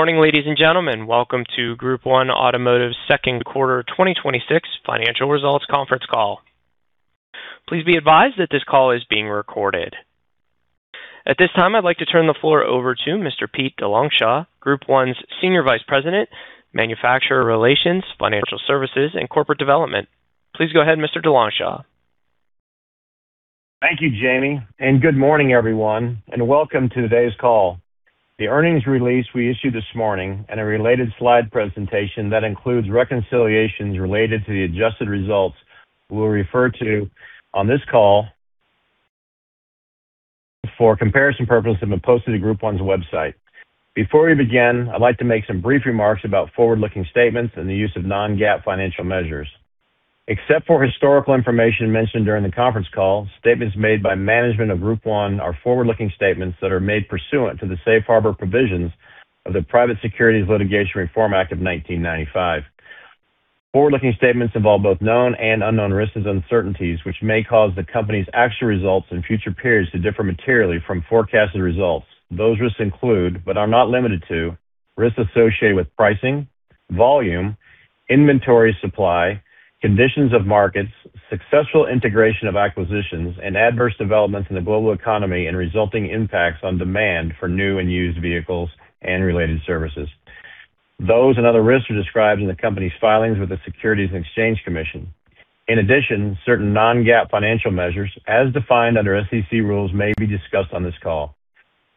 Good morning, ladies and gentlemen. Welcome to Group 1 Automotive's second quarter 2026 financial results conference call. Please be advised that this call is being recorded. At this time, I'd like to turn the floor over to Mr. Pete DeLongchamps, Group 1's Senior Vice President, Manufacturer Relations, Financial Services, and Corporate Development. Please go ahead, Mr. DeLongchamps. Thank you, Jamie, and good morning, everyone, and welcome to today's call. The earnings release we issued this morning and a related slide presentation that includes reconciliations related to the adjusted results we'll refer to on this call for comparison purposes have been posted to Group 1's website. Before we begin, I'd like to make some brief remarks about forward-looking statements and the use of non-GAAP financial measures. Except for historical information mentioned during the conference call, statements made by management of Group 1 are forward-looking statements that are made pursuant to the Safe Harbor provisions of the Private Securities Litigation Reform Act of 1995. Forward-looking statements involve both known and unknown risks and uncertainties, which may cause the company's actual results in future periods to differ materially from forecasted results. Those risks include, but are not limited to, risks associated with pricing, volume, inventory supply, conditions of markets, successful integration of acquisitions, and adverse developments in the global economy, and resulting impacts on demand for new and used vehicles and related services. Those and other risks are described in the company's filings with the Securities and Exchange Commission. In addition, certain non-GAAP financial measures, as defined under SEC rules, may be discussed on this call.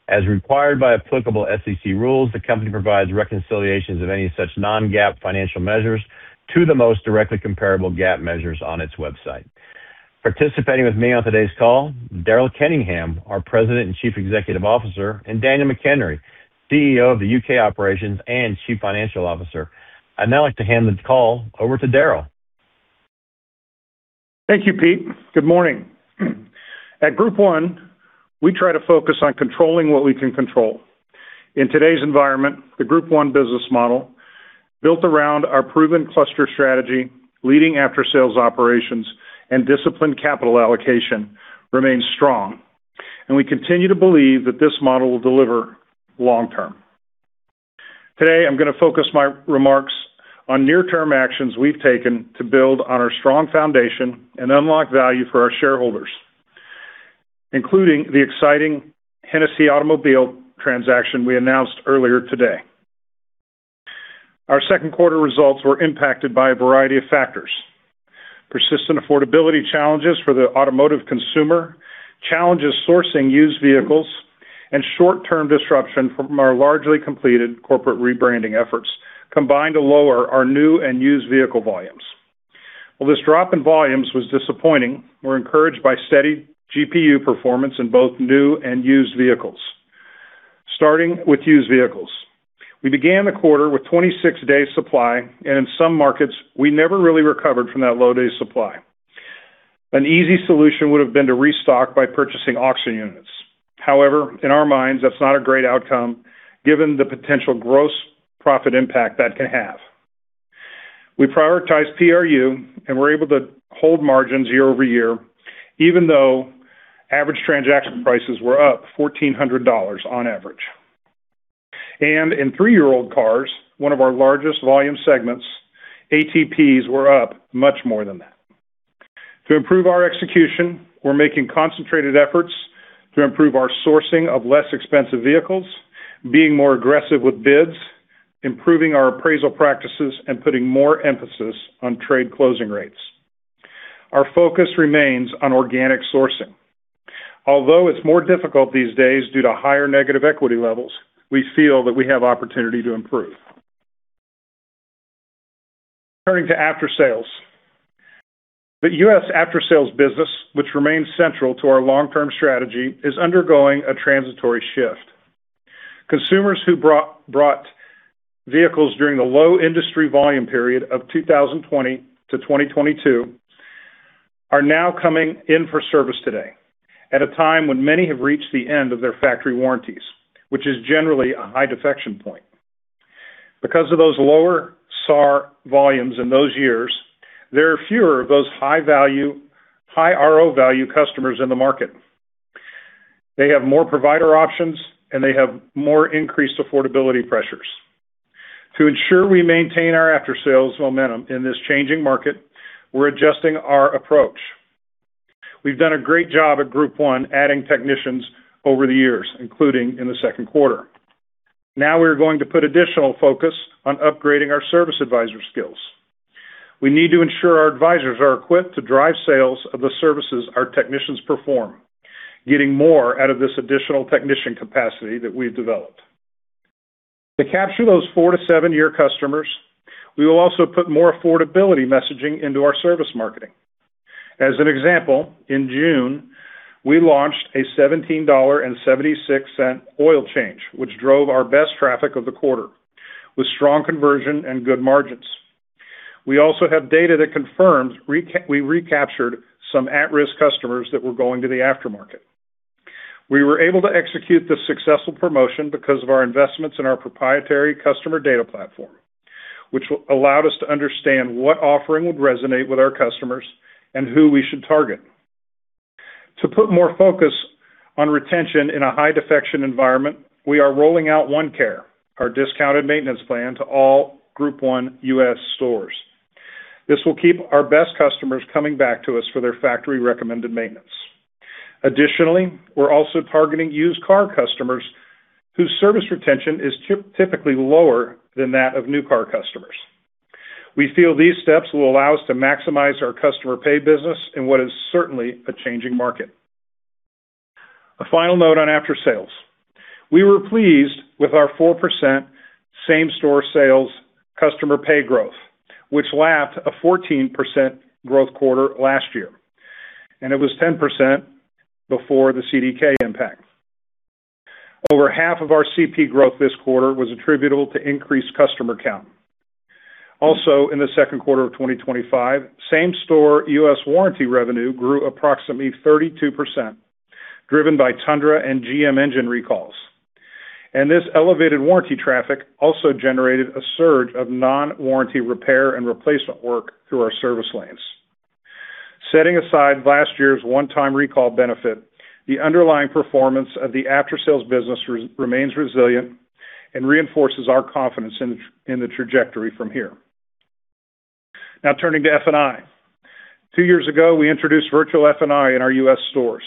As required by applicable SEC rules, the company provides reconciliations of any such non-GAAP financial measures to the most directly comparable GAAP measures on its website. Participating with me on today's call, Daryl Kenningham, our President and Chief Executive Officer, and Daniel McHenry, CEO of the U.K. operations and Chief Financial Officer. I'd now like to hand the call over to Daryl. Thank you, Pete. Good morning. At Group 1, we try to focus on controlling what we can control. In today's environment, the Group 1 business model, built around our proven cluster strategy, leading after-sales operations, and disciplined capital allocation remains strong, and we continue to believe that this model will deliver long term. Today, I'm going to focus my remarks on near-term actions we've taken to build on our strong foundation and unlock value for our shareholders, including the exciting Hennessy automobile transaction we announced earlier today. Our second quarter results were impacted by a variety of factors. Persistent affordability challenges for the automotive consumer, challenges sourcing used vehicles, and short-term disruption from our largely completed corporate rebranding efforts combined to lower our new and used vehicle volumes. While this drop in volumes was disappointing, we're encouraged by steady GPU performance in both new and used vehicles. Starting with used vehicles. We began the quarter with 26 days supply, and in some markets, we never really recovered from that low days supply. An easy solution would've been to restock by purchasing auction units. However, in our minds, that's not a great outcome given the potential gross profit impact that can have. We prioritized PRU and were able to hold margins year-over-year, even though average transaction prices were up $1,400 on average. In three-year-old cars, one of our largest volume segments, ATPs were up much more than that. To improve our execution, we're making concentrated efforts to improve our sourcing of less expensive vehicles, being more aggressive with bids, improving our appraisal practices, and putting more emphasis on trade closing rates. Our focus remains on organic sourcing. Although it's more difficult these days due to higher negative equity levels, we feel that we have opportunity to improve. Turning to after-sales. The U.S. after-sales business, which remains central to our long-term strategy, is undergoing a transitory shift. Consumers who brought vehicles during the low industry volume period of 2020-2022 are now coming in for service today, at a time when many have reached the end of their factory warranties, which is generally a high defection point. Because of those lower SAR volumes in those years, there are fewer of those high RO value customers in the market. They have more provider options, and they have more increased affordability pressures. To ensure we maintain our after-sales momentum in this changing market, we're adjusting our approach. We've done a great job at Group 1 adding technicians over the years, including in the second quarter. We're going to put additional focus on upgrading our service advisor skills. We need to ensure our advisors are equipped to drive sales of the services our technicians perform, getting more out of this additional technician capacity that we've developed. To capture those four- to seven-year customers, we will also put more affordability messaging into our service marketing. As an example, in June, we launched a $17.76 oil change, which drove our best traffic of the quarter, with strong conversion and good margins. We also have data that confirms we recaptured some at-risk customers that were going to the aftermarket. We were able to execute this successful promotion because of our investments in our proprietary customer data platform, which allowed us to understand what offering would resonate with our customers and who we should target. To put more focus on retention in a high defection environment, we are rolling out One Care, our discounted maintenance plan to all Group 1 U.S. stores. This will keep our best customers coming back to us for their factory-recommended maintenance. Additionally, we're also targeting used car customers whose service retention is typically lower than that of new car customers. We feel these steps will allow us to maximize our customer pay business in what is certainly a changing market. A final note on after-sales. We were pleased with our 4% same-store sales customer pay growth, which lapped a 14% growth quarter last year, and it was 10% before the CDK impact. Over half of our CP growth this quarter was attributable to increased customer count. In the second quarter of 2025, same-store U.S. warranty revenue grew approximately 32%, driven by Tundra and GM engine recalls. This elevated warranty traffic also generated a surge of non-warranty repair and replacement work through our service lanes. Setting aside last year's one-time recall benefit, the underlying performance of the after-sales business remains resilient and reinforces our confidence in the trajectory from here. Turning to F&I. Two years ago, we introduced virtual F&I in our U.S. stores,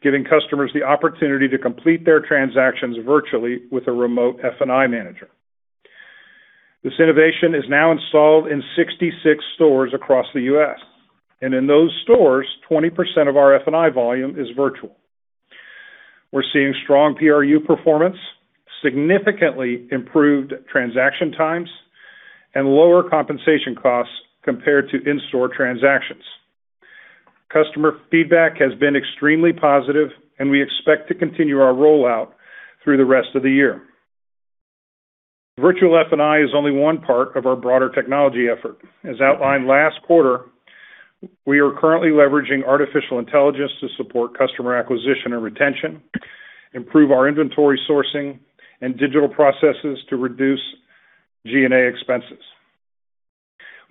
giving customers the opportunity to complete their transactions virtually with a remote F&I manager. This innovation is now installed in 66 stores across the U.S., and in those stores, 20% of our F&I volume is virtual. We're seeing strong PRU performance, significantly improved transaction times, and lower compensation costs compared to in-store transactions. Customer feedback has been extremely positive, we expect to continue our rollout through the rest of the year. Virtual F&I is only one part of our broader technology effort. As outlined last quarter, we are currently leveraging artificial intelligence to support customer acquisition and retention, improve our inventory sourcing, and digital processes to reduce G&A expenses.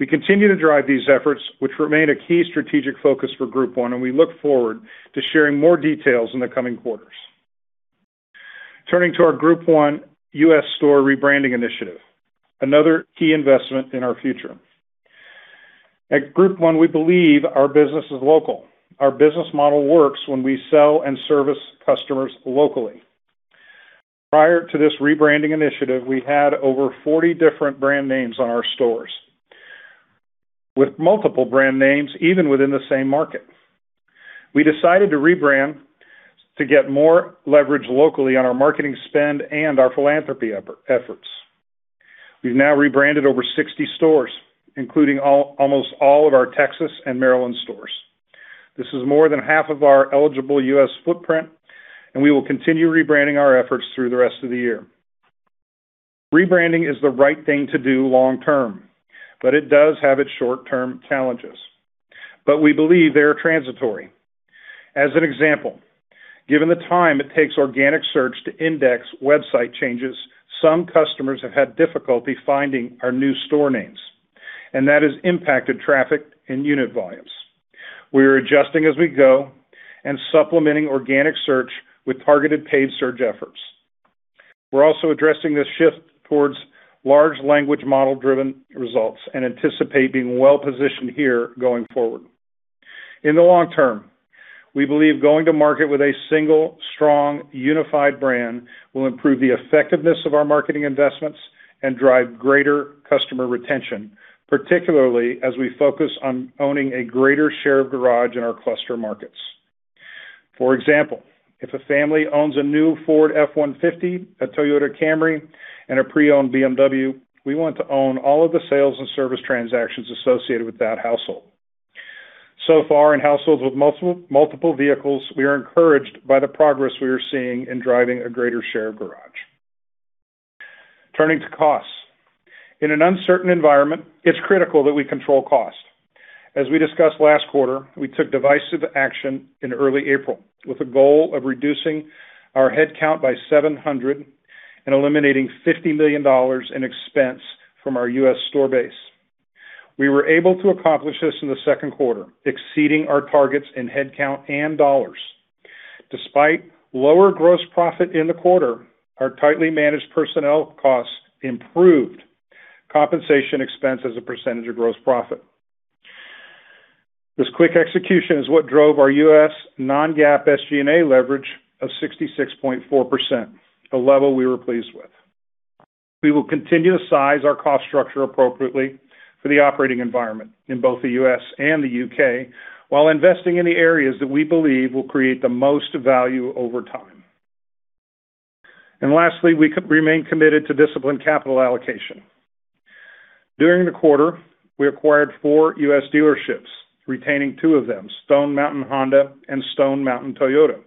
We continue to drive these efforts, which remain a key strategic focus for Group 1, and we look forward to sharing more details in the coming quarters. Turning to our Group 1 U.S. store rebranding initiative, another key investment in our future. At Group 1, we believe our business is local. Our business model works when we sell and service customers locally. Prior to this rebranding initiative, we had over 40 different brand names on our stores, with multiple brand names even within the same market. We decided to rebrand to get more leverage locally on our marketing spend and our philanthropy efforts. We've now rebranded over 60 stores, including almost all of our Texas and Maryland stores. This is more than half of our eligible U.S. footprint, and we will continue rebranding our efforts through the rest of the year. Rebranding is the right thing to do long term, it does have its short-term challenges, but we believe they are transitory. As an example, given the time it takes organic search to index website changes, some customers have had difficulty finding our new store names, that has impacted traffic and unit volumes. We are adjusting as we go and supplementing organic search with targeted paid search efforts. We're also addressing this shift towards large language model-driven results and anticipate being well-positioned here going forward. In the long term, we believe going to market with a single, strong, unified brand will improve the effectiveness of our marketing investments and drive greater customer retention, particularly as we focus on owning a greater share of garage in our cluster markets. For example, if a family owns a new Ford F-150, a Toyota Camry, and a pre-owned BMW, we want to own all of the sales and service transactions associated with that household. In households with multiple vehicles, we are encouraged by the progress we are seeing in driving a greater share of garage. Turning to costs. In an uncertain environment, it's critical that we control cost. As we discussed last quarter, we took decisive action in early April with a goal of reducing our headcount by 700 and eliminating $50 million in expense from our U.S. store base. We were able to accomplish this in the second quarter, exceeding our targets in headcount and dollars. Despite lower gross profit in the quarter, our tightly managed personnel costs improved compensation expense as a percentage of gross profit. This quick execution is what drove our U.S. non-GAAP SG&A leverage of 66.4%, a level we were pleased with. We will continue to size our cost structure appropriately for the operating environment in both the U.S. and the U.K., while investing in the areas that we believe will create the most value over time. Lastly, we remain committed to disciplined capital allocation. During the quarter, we acquired four U.S. dealerships, retaining two of them, Stone Mountain Honda and Stone Mountain Toyota,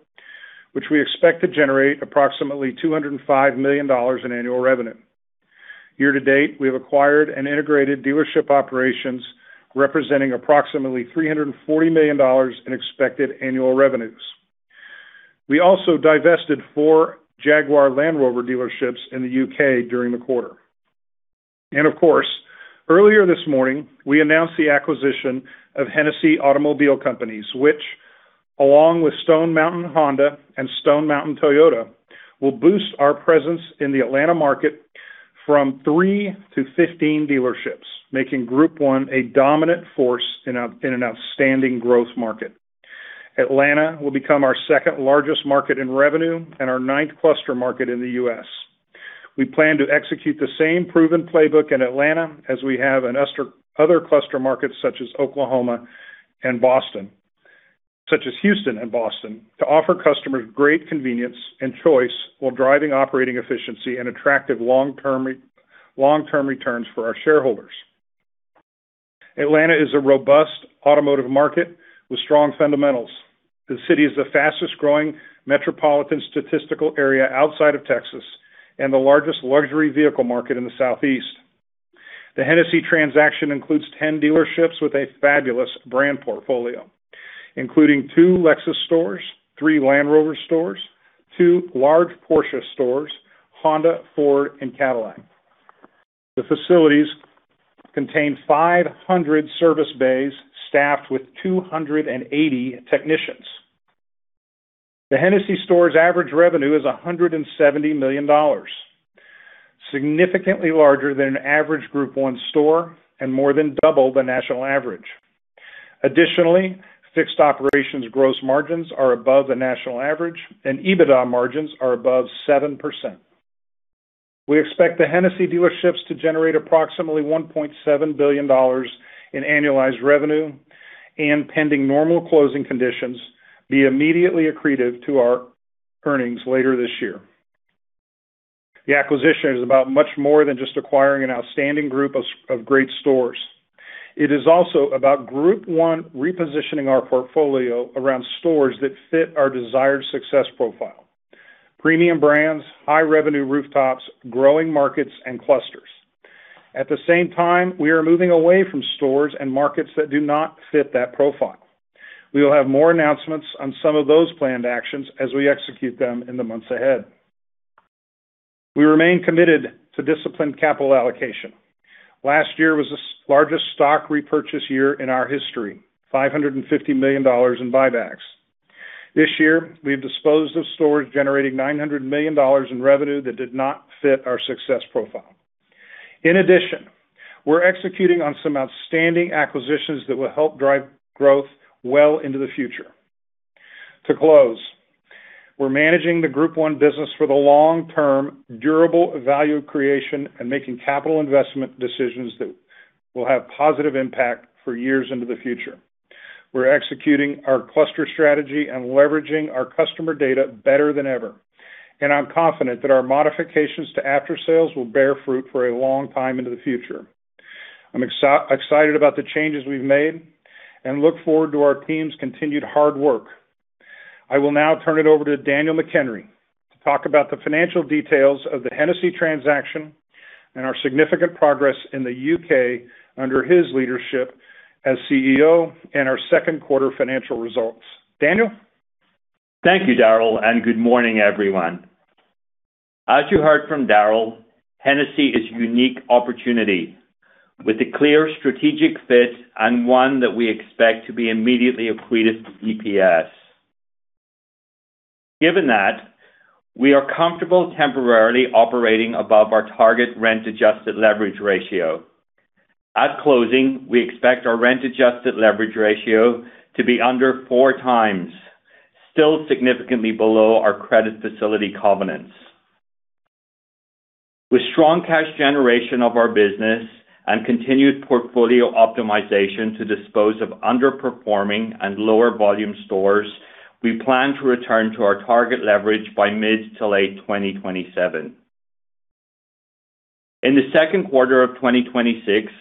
which we expect to generate approximately $205 million in annual revenue. Year to date, we have acquired and integrated dealership operations representing approximately $340 million in expected annual revenues. We also divested four Jaguar Land Rover dealerships in the U.K. during the quarter. Of course, earlier this morning, we announced the acquisition of Hennessy Automobile Companies, which along with Stone Mountain Honda and Stone Mountain Toyota, will boost our presence in the Atlanta market from three to 15 dealerships, making Group 1 a dominant force in an outstanding growth market. Atlanta will become our second-largest market in revenue and our ninth cluster market in the U.S. We plan to execute the same proven playbook in Atlanta as we have in other cluster markets, such as Oklahoma and Boston, such as Houston and Boston, to offer customers great convenience and choice while driving operating efficiency and attractive long-term returns for our shareholders. Atlanta is a robust automotive market with strong fundamentals. The city is the fastest-growing metropolitan statistical area outside of Texas and the largest luxury vehicle market in the Southeast. The Hennessy transaction includes 10 dealerships with a fabulous brand portfolio, including two Lexus stores, three Land Rover stores, two large Porsche stores, Honda, Ford, and Cadillac. The facilities contain 500 service bays staffed with 280 technicians. The Hennessy stores' average revenue is $170 million, significantly larger than an average Group 1 store and more than double the national average. Additionally, fixed operations gross margins are above the national average, and EBITDA margins are above 7%. We expect the Hennessy dealerships to generate approximately $1.7 billion in annualized revenue and, pending normal closing conditions, be immediately accretive to our earnings later this year. The acquisition is about much more than just acquiring an outstanding group of great stores. It is also about Group 1 repositioning our portfolio around stores that fit our desired success profile: premium brands, high-revenue rooftops, growing markets, and clusters. At the same time, we are moving away from stores and markets that do not fit that profile. We will have more announcements on some of those planned actions as we execute them in the months ahead. We remain committed to disciplined capital allocation. Last year was the largest stock repurchase year in our history, $550 million in buybacks. This year, we've disposed of stores generating $900 million in revenue that did not fit our success profile. In addition, we're executing on some outstanding acquisitions that will help drive growth well into the future. To close, we're managing the Group 1 business for the long-term durable value creation and making capital investment decisions that will have a positive impact for years into the future. We're executing our cluster strategy and leveraging our customer data better than ever. I'm confident that our modifications to after-sales will bear fruit for a long time into the future. I'm excited about the changes we've made and look forward to our team's continued hard work. I will now turn it over to Daniel McHenry to talk about the financial details of the Hennessy transaction and our significant progress in the U.K. under his leadership as CEO and our second quarter financial results. Daniel? Thank you, Daryl. Good morning, everyone. As you heard from Daryl, Hennessy is a unique opportunity with a clear strategic fit, one that we expect to be immediately accretive to EPS. Given that, we are comfortable temporarily operating above our target rent-adjusted leverage ratio. At closing, we expect our rent-adjusted leverage ratio to be under 4x, still significantly below our credit facility covenants. With strong cash generation of our business and continued portfolio optimization to dispose of underperforming and lower volume stores, we plan to return to our target leverage by mid to late 2027. In the second quarter of 2026,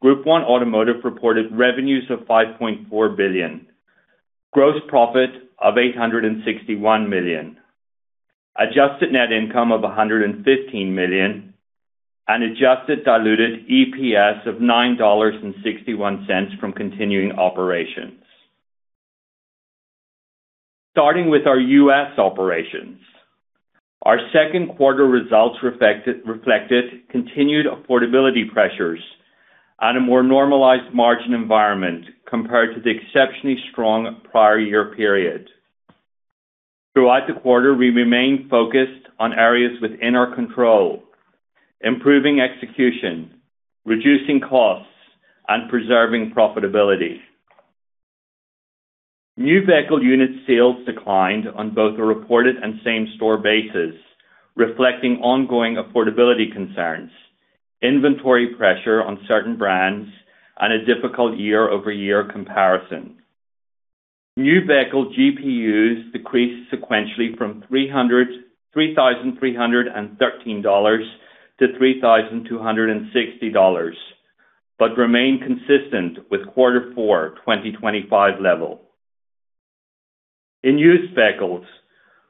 Group 1 Automotive reported revenues of $5.4 billion, gross profit of $861 million, adjusted net income of $115 million, and adjusted diluted EPS of $9.61 from continuing operations. Starting with our U.S. operations, our second quarter results reflected continued affordability pressures on a more normalized margin environment compared to the exceptionally strong prior year period. Throughout the quarter, we remained focused on areas within our control, improving execution, reducing costs, and preserving profitability. New vehicle unit sales declined on both a reported and same-store basis, reflecting ongoing affordability concerns, inventory pressure on certain brands, and a difficult year-over-year comparison. New vehicle GPUs decreased sequentially from $3,313 to $3,260, remained consistent with quarter four 2025 level. In used vehicles,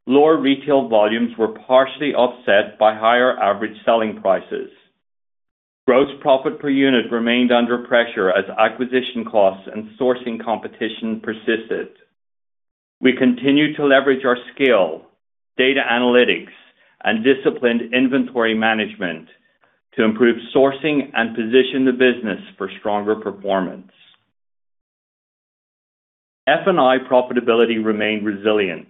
lower retail volumes were partially offset by higher average selling prices. Gross profit per unit remained under pressure as acquisition costs and sourcing competition persisted. We continue to leverage our scale, data analytics, and disciplined inventory management to improve sourcing and position the business for stronger performance. F&I profitability remained resilient,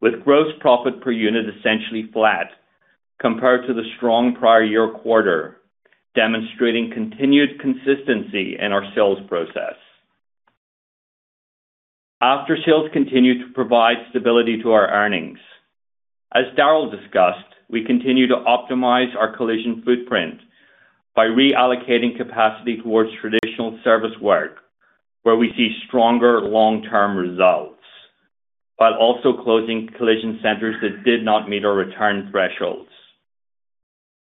with gross profit per unit essentially flat compared to the strong prior year quarter, demonstrating continued consistency in our sales process. Aftersales continue to provide stability to our earnings. As Daryl discussed, we continue to optimize our collision footprint by reallocating capacity towards traditional service work, where we see stronger long-term results, while also closing collision centers that did not meet our return thresholds.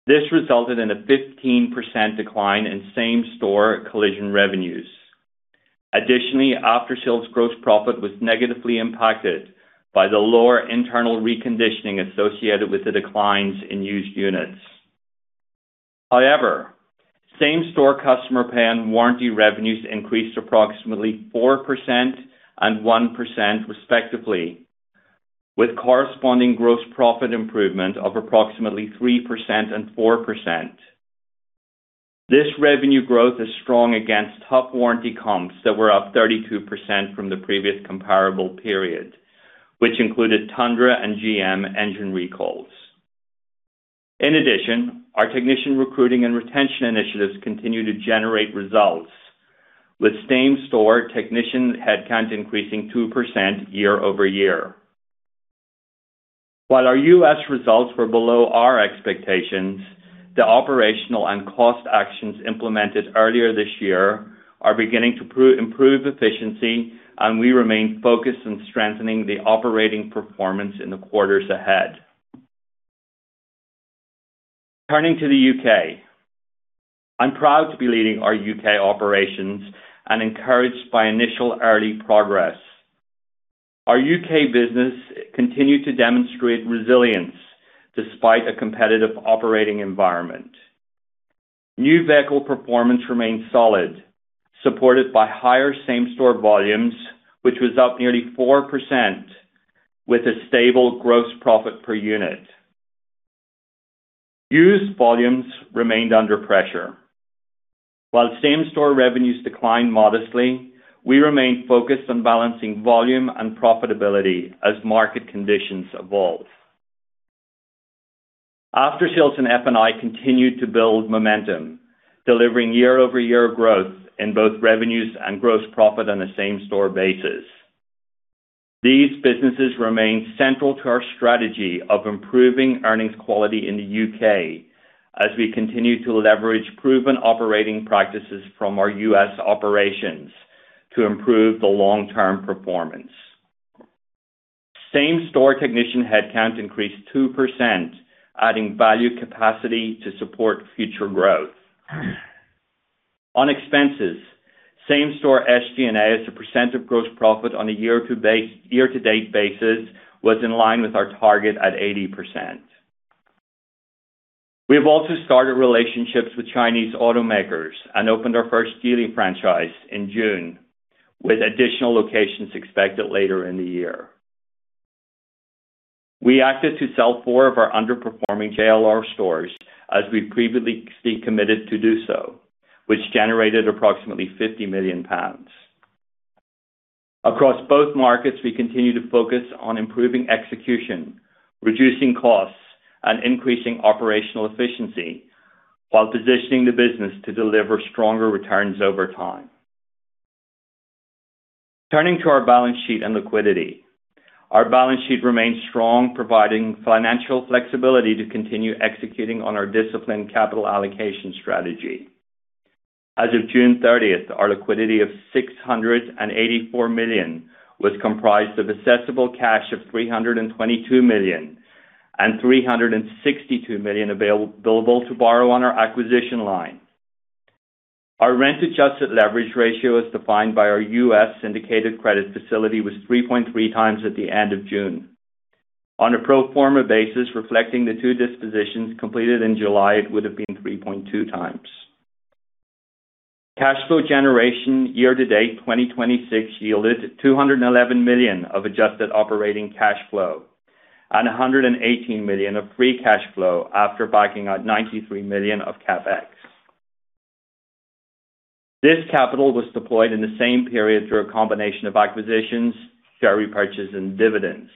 This resulted in a 15% decline in same-store collision revenues. Additionally, aftersales gross profit was negatively impacted by the lower internal reconditioning associated with the declines in used units. Same-store customer pay and warranty revenues increased approximately 4% and 1% respectively, with corresponding gross profit improvement of approximately 3% and 4%. This revenue growth is strong against tough warranty comps that were up 32% from the previous comparable period, which included Tundra and GM engine recalls. In addition, our technician recruiting and retention initiatives continue to generate results, with same-store technician headcount increasing 2% year-over-year. While our U.S. results were below our expectations, the operational and cost actions implemented earlier this year are beginning to improve efficiency, and we remain focused on strengthening the operating performance in the quarters ahead. Turning to the U.K. I'm proud to be leading our U.K. operations and encouraged by initial early progress. Our U.K. business continued to demonstrate resilience despite a competitive operating environment. New vehicle performance remained solid, supported by higher same-store volumes, which was up nearly 4% with a stable gross profit per unit. Used volumes remained under pressure. While same-store revenues declined modestly, we remain focused on balancing volume and profitability as market conditions evolve. Aftersales and F&I continued to build momentum, delivering year-over-year growth in both revenues and gross profit on a same-store basis. These businesses remain central to our strategy of improving earnings quality in the U.K. as we continue to leverage proven operating practices from our U.S. operations to improve the long-term performance. Same-store technician headcount increased 2%, adding value capacity to support future growth. On expenses, same-store SG&A as a % of gross profit on a year-to-date basis was in line with our target at 80%. We have also started relationships with Chinese automakers and opened our first dealership franchise in June, with additional locations expected later in the year. We acted to sell four of our underperforming JLR stores as we previously committed to do so, which generated approximately 50 million pounds. Across both markets, we continue to focus on improving execution, reducing costs, and increasing operational efficiency while positioning the business to deliver stronger returns over time. Turning to our balance sheet and liquidity. Our balance sheet remains strong, providing financial flexibility to continue executing on our disciplined capital allocation strategy. As of June 30th, our liquidity of $684 million was comprised of assessable cash of $322 million and $362 million available to borrow on our acquisition line. Our rent-adjusted leverage ratio, as defined by our U.S. syndicated credit facility, was 3.3x at the end of June. On a pro forma basis, reflecting the two dispositions completed in July, it would have been 3.2x. Cash flow generation year-to-date 2026 yielded $211 million of adjusted operating cash flow and $118 million of free cash flow after backing out $93 million of CapEx. This capital was deployed in the same period through a combination of acquisitions, share repurchase, and dividends,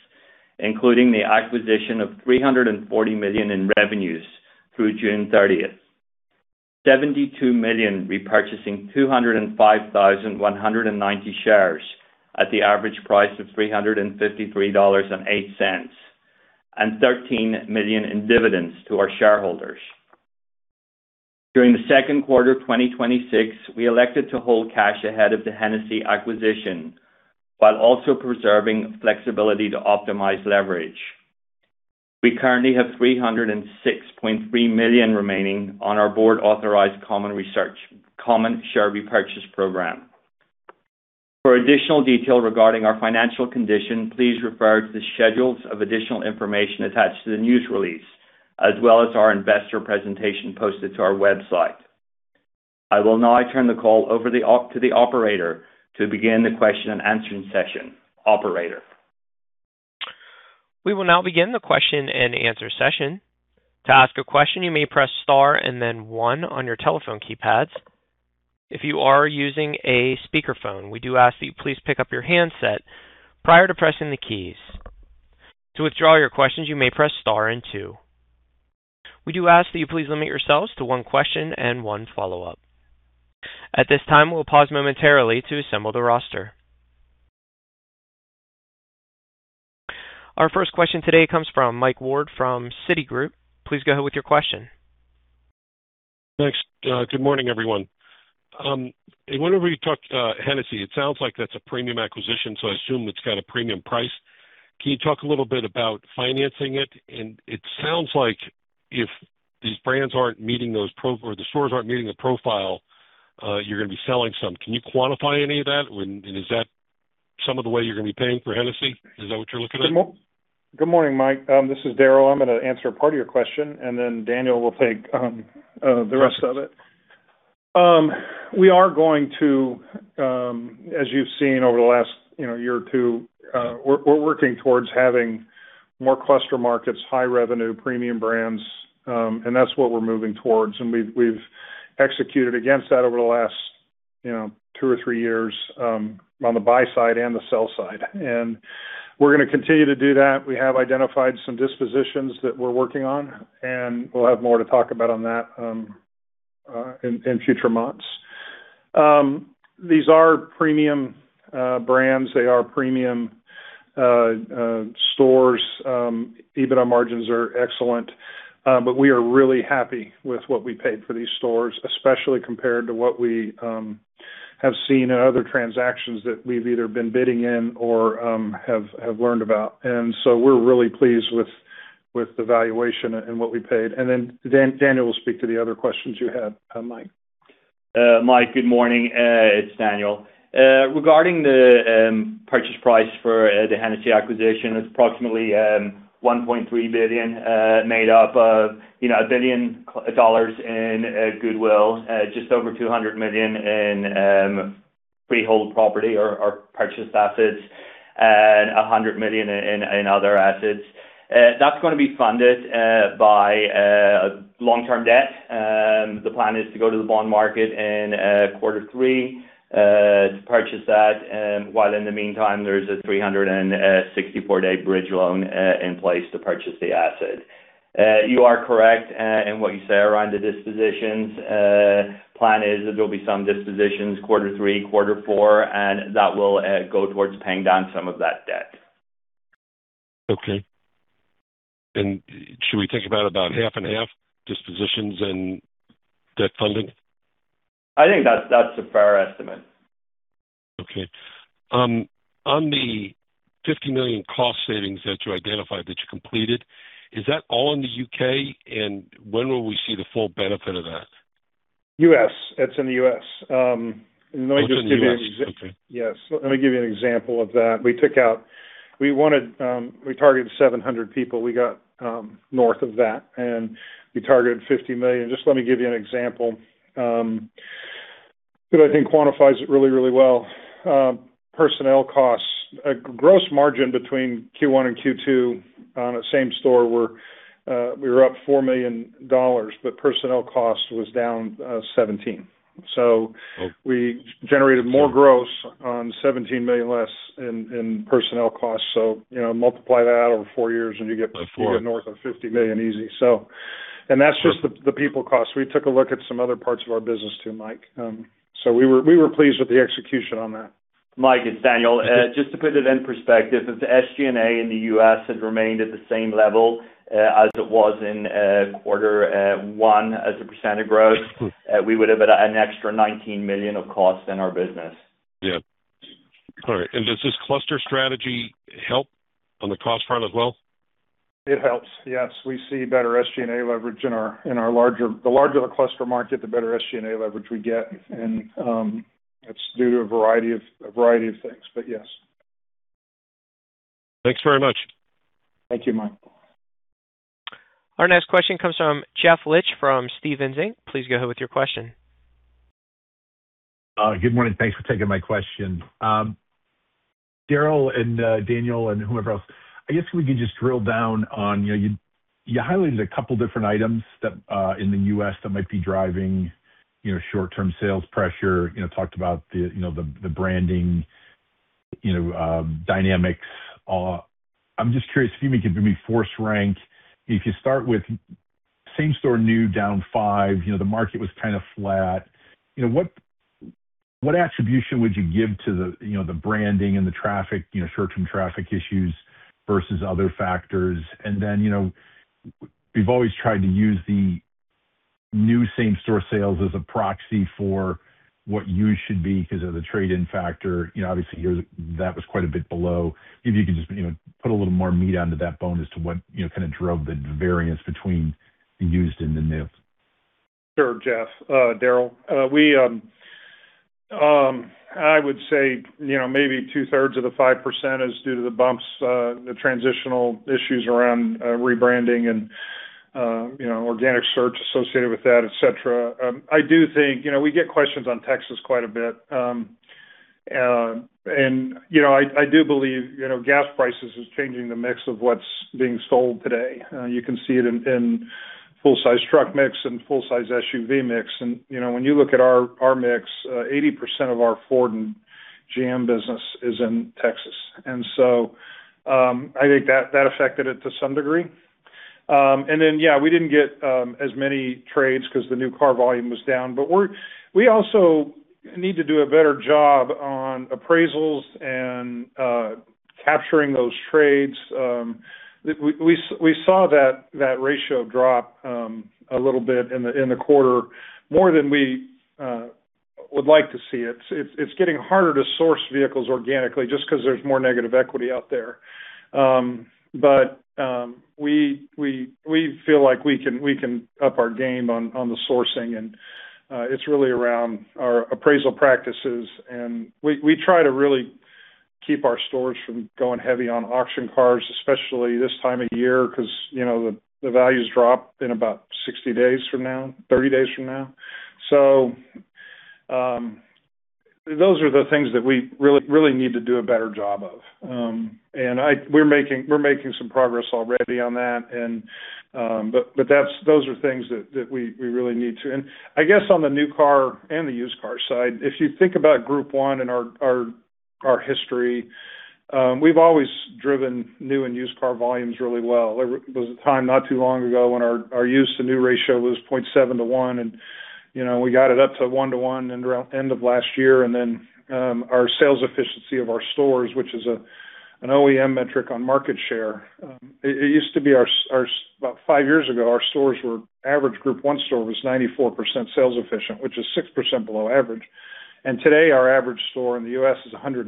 including the acquisition of $340 million in revenues through June 30th. $72 million repurchasing 205,190 shares at the average price of $353.08 and $13 million in dividends to our shareholders. During the second quarter of 2026, we elected to hold cash ahead of the Hennessy acquisition while also preserving flexibility to optimize leverage. We currently have $306.3 million remaining on our board-authorized common share repurchase program. For additional detail regarding our financial condition, please refer to the schedules of additional information attached to the news release, as well as our investor presentation posted to our website. I will now turn the call over to the operator to begin the question and answer session. Operator. We will now begin the question and answer session. To ask a question, you may press star and then one on your telephone keypads. If you are using a speakerphone, we do ask that you please pick up your handset prior to pressing the keys. To withdraw your questions, you may press star and two. We do ask that you please limit yourselves to one question and one follow-up. At this time, we will pause momentarily to assemble the roster. Our first question today comes from Mike Ward from Citigroup. Please go ahead with your question. Thanks. Good morning, everyone. I wonder when you talked Hennessy, it sounds like that is a premium acquisition, so I assume it has got a premium price. Can you talk a little bit about financing it? It sounds like if these brands aren't meeting those or the stores aren't meeting the profile, you are going to be selling some. Can you quantify any of that? Is that some of the way you are going to be paying for Hennessy? Is that what you are looking at? Good morning, Mike. This is Daryl. I'm going to answer part of your question, Daniel will take the rest of it. We are going to, as you've seen over the last year or two, we're working towards having more cluster markets, high revenue, premium brands, and that's what we're moving towards. We've executed against that over the last two or three years, on the buy side and the sell side. We're going to continue to do that. We have identified some dispositions that we're working on, and we'll have more to talk about on that in future months. These are premium brands. They are premium stores. EBITDA margins are excellent. We are really happy with what we paid for these stores, especially compared to what we have seen in other transactions that we've either been bidding in or have learned about. We're really pleased with the valuation and what we paid. Daniel will speak to the other questions you had, Mike. Mike, good morning. It's Daniel. Regarding the purchase price for the Hennessy acquisition, it's approximately $1.3 billion, made up of $1 billion in goodwill, just over $200 million in freehold property or purchased assets, and $100 million in other assets. That's going to be funded by long-term debt. The plan is to go to the bond market in Q3 to purchase that, while in the meantime, there's a 364-day bridge loan in place to purchase the asset. You are correct in what you say around the dispositions. Plan is that there'll be some dispositions Q3, Q4, and that will go towards paying down some of that debt. Okay. Should we think about half and half dispositions and debt funding? I think that's a fair estimate. Okay. On the $50 million cost savings that you identified, that you completed, is that all in the U.K.? When will we see the full benefit of that? U.S. It's in the U.S. Oh, it's in the U.S. Okay. Yes. Let me give you an example of that. We targeted 700 people. We got north of that, and we targeted $50 million. Just let me give you an example that I think quantifies it really well. Personnel costs. Gross margin between Q1 and Q2 on a same store, we were up $4 million, personnel cost was down $17 million. We generated more gross on $17 million less in personnel costs. Multiply that over four years and you get. By four. north of $50 million easy. That's just the people cost. We took a look at some other parts of our business too, Mike. We were pleased with the execution on that. Mike, it's Daniel. Just to put it in perspective, if the SG&A in the U.S. had remained at the same level as it was in quarter one as a percentage of growth, we would have had an extra $19 million of cost in our business. Yeah. All right. Does this cluster strategy help on the cost front as well? It helps, yes. We see better SG&A leverage in our larger. The larger the cluster market, the better SG&A leverage we get. It's due to a variety of things, but yes. Thanks very much. Thank you, Mike. Our next question comes from Jeff Lick from Stephens Inc. Please go ahead with your question. Good morning. Thanks for taking my question. Daryl and Daniel and whomever else, I guess if we could just drill down on. You highlighted a couple different items in the U.S. that might be driving short-term sales pressure. Talked about the branding dynamics. I'm just curious if you could maybe force rank. If you start with same store new down five, the market was kind of flat. What attribution would you give to the branding and the traffic, short-term traffic issues versus other factors? And then, we've always tried to use the new same store sales as a proxy for what you should be because of the trade-in factor. Obviously, that was quite a bit below. If you could just put a little more meat onto that bone as to what kind of drove the variance between the used and the new. Sure, Jeff. Daryl. I would say maybe two-thirds of the 5% is due to the bumps, the transitional issues around rebranding and organic search associated with that, et cetera. We get questions on Texas quite a bit. I do believe gas prices is changing the mix of what's being sold today. You can see it in full size truck mix and full size SUV mix. When you look at our mix, 80% of our Ford and GM business is in Texas. I think that affected it to some degree. Yeah, we didn't get as many trades cause the core volume was down. We also need to do a better job on appraisals and capturing those trades. We saw that ratio drop a little bit in the quarter, more than we would like to see it. It's getting harder to source vehicles organically just because there's more negative equity out there. We feel like we can up our game on the sourcing, and it's really around our appraisal practices. We try to really keep our stores from going heavy on auction cars, especially this time of year, because the values drop in about 60 days from now, 30 days from now. Those are the things that we really need to do a better job of. We're making some progress already on that. Those are things that we really need to. I guess on the new car and the used car side, if you think about Group 1 and our history, we've always driven new and used car volumes really well. There was a time not too long ago when our used to new ratio was 0.7 to 1, and we got it up to 1 to 1 end of last year. Our sales efficiency of our stores, which is an OEM metric on market share. About five years ago, our average Group 1 store was 94% sales efficient, which is 6% below average. Today, our average store in the U.S. is 109%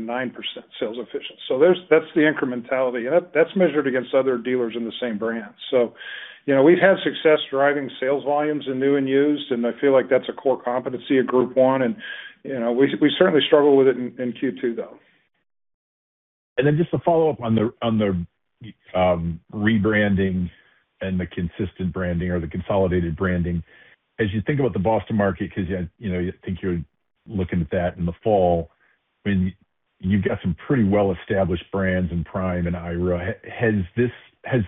sales efficient. That's the incrementality, and that's measured against other dealers in the same brand. We've had success driving sales volumes in new and used, and I feel like that's a core competency of Group 1. We certainly struggled with it in Q2, though. Just to follow up on the rebranding and the consistent branding or the consolidated branding. As you think about the Boston market, because I think you're looking at that in the fall. You've got some pretty well-established brands in Prime and Ira. Has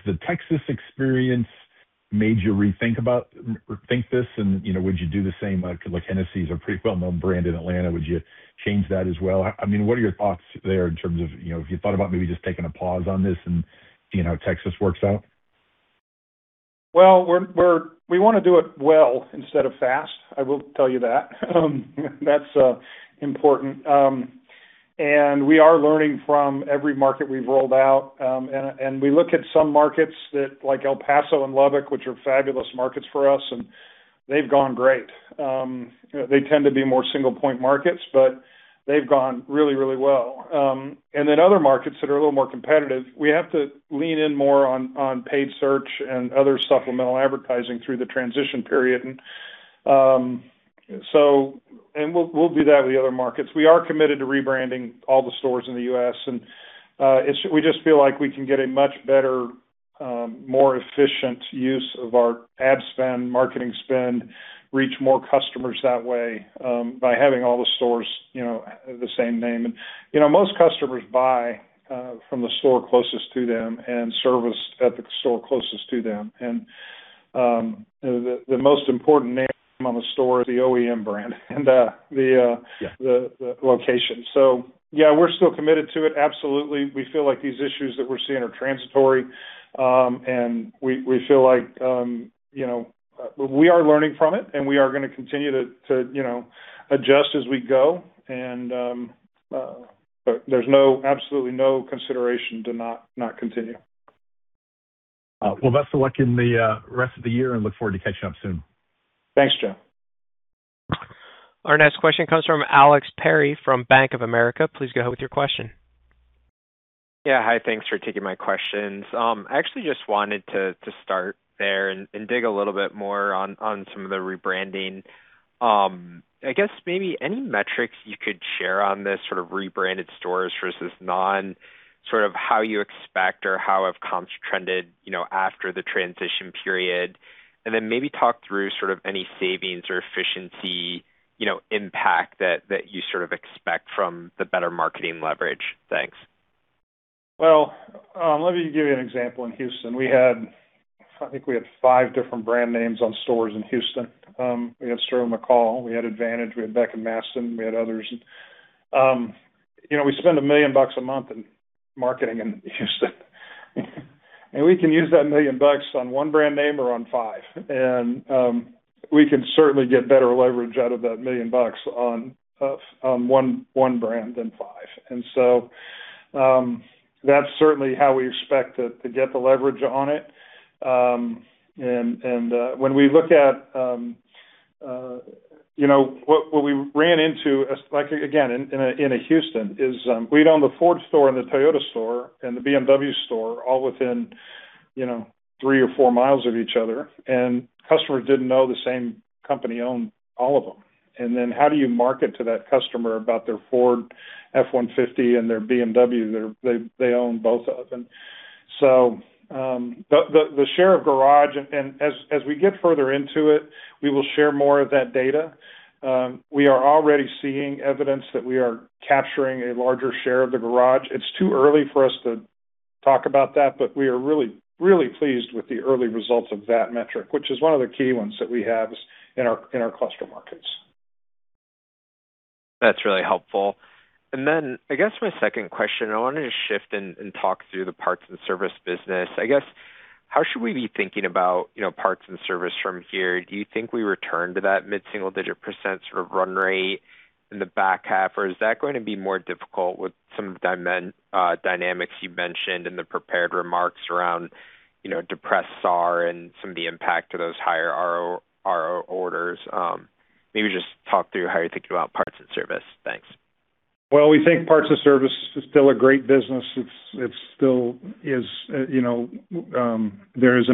the Texas experience made you rethink this, and would you do the same? Hennessey's a pretty well-known brand in Atlanta. Would you change that as well? What are your thoughts there in terms of have you thought about maybe just taking a pause on this and seeing how Texas works out? Well, we want to do it well instead of fast, I will tell you that. That's important. We are learning from every market we've rolled out. We look at some markets like El Paso and Lubbock, which are fabulous markets for us, and they've gone great. They tend to be more single point markets, but they've gone really well. Other markets that are a little more competitive, we have to lean in more on paid search and other supplemental advertising through the transition period. We'll do that with the other markets. We are committed to rebranding all the stores in the U.S., and we just feel like we can get a much better, more efficient use of our ad spend, marketing spend, reach more customers that way, by having all the stores the same name. Most customers buy from the store closest to them and service at the store closest to them. The most important name on the store is the OEM brand and the location. Yeah, we're still committed to it, absolutely. We feel like these issues that we're seeing are transitory. We are learning from it, we are going to continue to adjust as we go. There's absolutely no consideration to not continue. Well, best of luck in the rest of the year, look forward to catching up soon. Thanks, Jeff. Our next question comes from Alex Perry from Bank of America. Please go ahead with your question. Yeah. Hi, thanks for taking my questions. I actually just wanted to start there and dig a little bit more on some of the rebranding. I guess maybe any metrics you could share on the sort of rebranded stores versus non, sort of how you expect or how have comps trended after the transition period? Maybe talk through sort of any savings or efficiency impact that you sort of expect from the better marketing leverage. Thanks. Well, let me give you an example in Houston. I think we had five different brand names on stores in Houston. We had Sterling McCall, we had Advantage, we had Beck & Masten, we had others. We spend $1 million a month in marketing in Houston. We can use that $1 million on one brand name or on five. We can certainly get better leverage out of that $1 million on one brand than five. That's certainly how we expect to get the leverage on it. What we ran into, again, in Houston, is we'd own the Ford store and the Toyota store and the BMW store all within three or four miles of each other, and customers didn't know the same company owned all of them. How do you market to that customer about their Ford F-150 and their BMW, they own both of them. The share of garage, and as we get further into it, we will share more of that data. We are already seeing evidence that we are capturing a larger share of the garage. It's too early for us to talk about that, but we are really pleased with the early results of that metric, which is one of the key ones that we have in our cluster markets. That's very helpful. I guess my second question, I wanted to shift and talk through the parts and service business. I guess, how should we be thinking about parts and service from here? Do you think we return to that mid-single digit percent sort of run rate in the back half or is that going to be more difficult with some of the dynamics you mentioned in the prepared remarks around depressed SAR and some of the impact of those higher RO orders? Maybe just talk through how you're thinking about parts and service. Thanks. We think parts and service is still a great business. There is an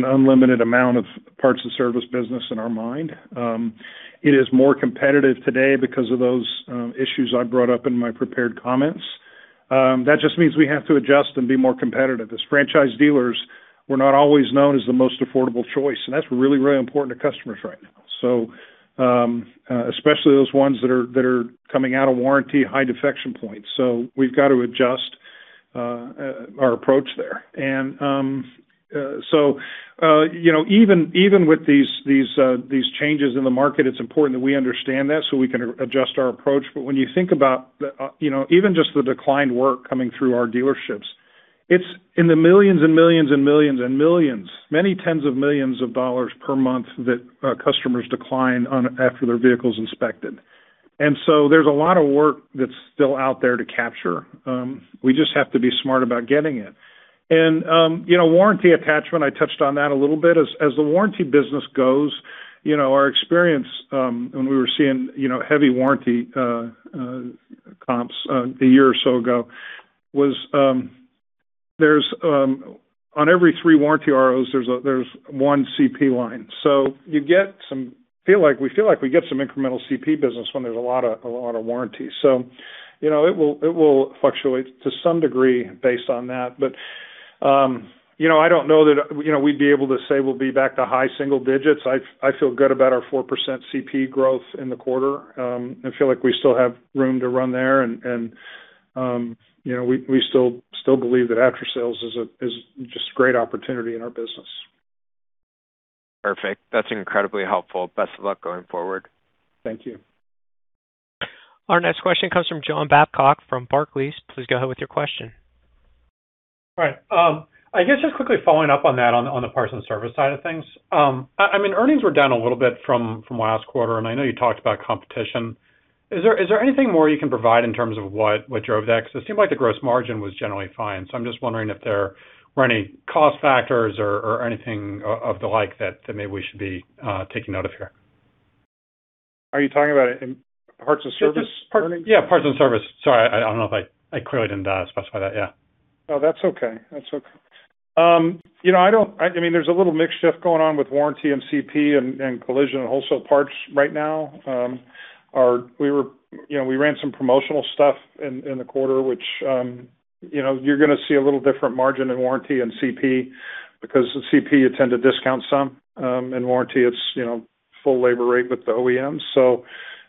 unlimited amount of parts and service business in our mind. It is more competitive today because of those issues I brought up in my prepared comments. That just means we have to adjust and be more competitive. As franchise dealers, we're not always known as the most affordable choice, and that's really important to customers right now. Especially those ones that are coming out of warranty, high defection points. We've got to adjust our approach there. Even with these changes in the market, it's important that we understand that so we can adjust our approach. When you think about even just the declined work coming through our dealerships, it's in the millions and millions and millions and millions, many tens of millions of dollars per month that customers decline after their vehicle's inspected. There's a lot of work that's still out there to capture. We just have to be smart about getting it. Warranty attachment, I touched on that a little bit. As the warranty business goes, our experience when we were seeing heavy warranty comps a year or so ago was, on every three warranty ROs, there's one CP line. We feel like we get some incremental CP business when there's a lot of warranty. It will fluctuate to some degree based on that. I don't know that we'd be able to say we'll be back to high single digits. I feel good about our 4% CP growth in the quarter. I feel like we still have room to run there, and we still believe that after-sales is just great opportunity in our business. Perfect. That's incredibly helpful. Best of luck going forward. Thank you. Our next question comes from John Babcock from Barclays. Please go ahead with your question. All right. I guess just quickly following up on that, on the parts and service side of things. Earnings were down a little bit from last quarter. I know you talked about competition. Is there anything more you can provide in terms of what drove that? It seemed like the gross margin was generally fine. I'm just wondering if there were any cost factors or anything of the like that maybe we should be taking note of here. Are you talking about in parts and service? Yeah, parts and service. Sorry, I don't know if I clearly didn't specify that, yeah. No, that's okay. There's a little mix shift going on with warranty and CP and collision and wholesale parts right now. We ran some promotional stuff in the quarter, which you're going to see a little different margin in warranty and CP because CP you tend to discount some. In warranty it's full labor rate with the OEMs.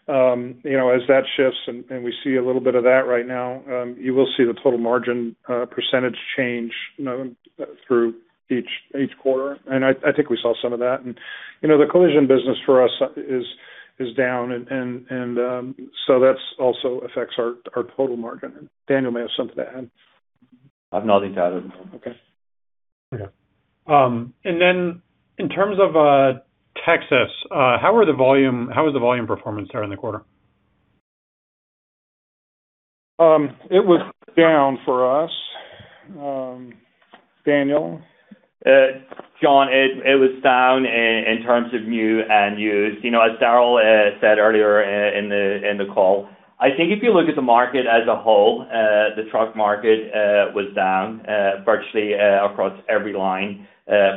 As that shifts and we see a little bit of that right now, you will see the total margin percentage change through each quarter. I think we saw some of that. The collision business for us is down, so that also affects our total margin. Daniel may have something to add. I have nothing to add. Okay. In terms of Texas, how was the volume performance there in the quarter? It was down for us. Daniel? John, it was down in terms of new and used. As Daryl said earlier in the call, I think if you look at the market as a whole, the truck market was down virtually across every line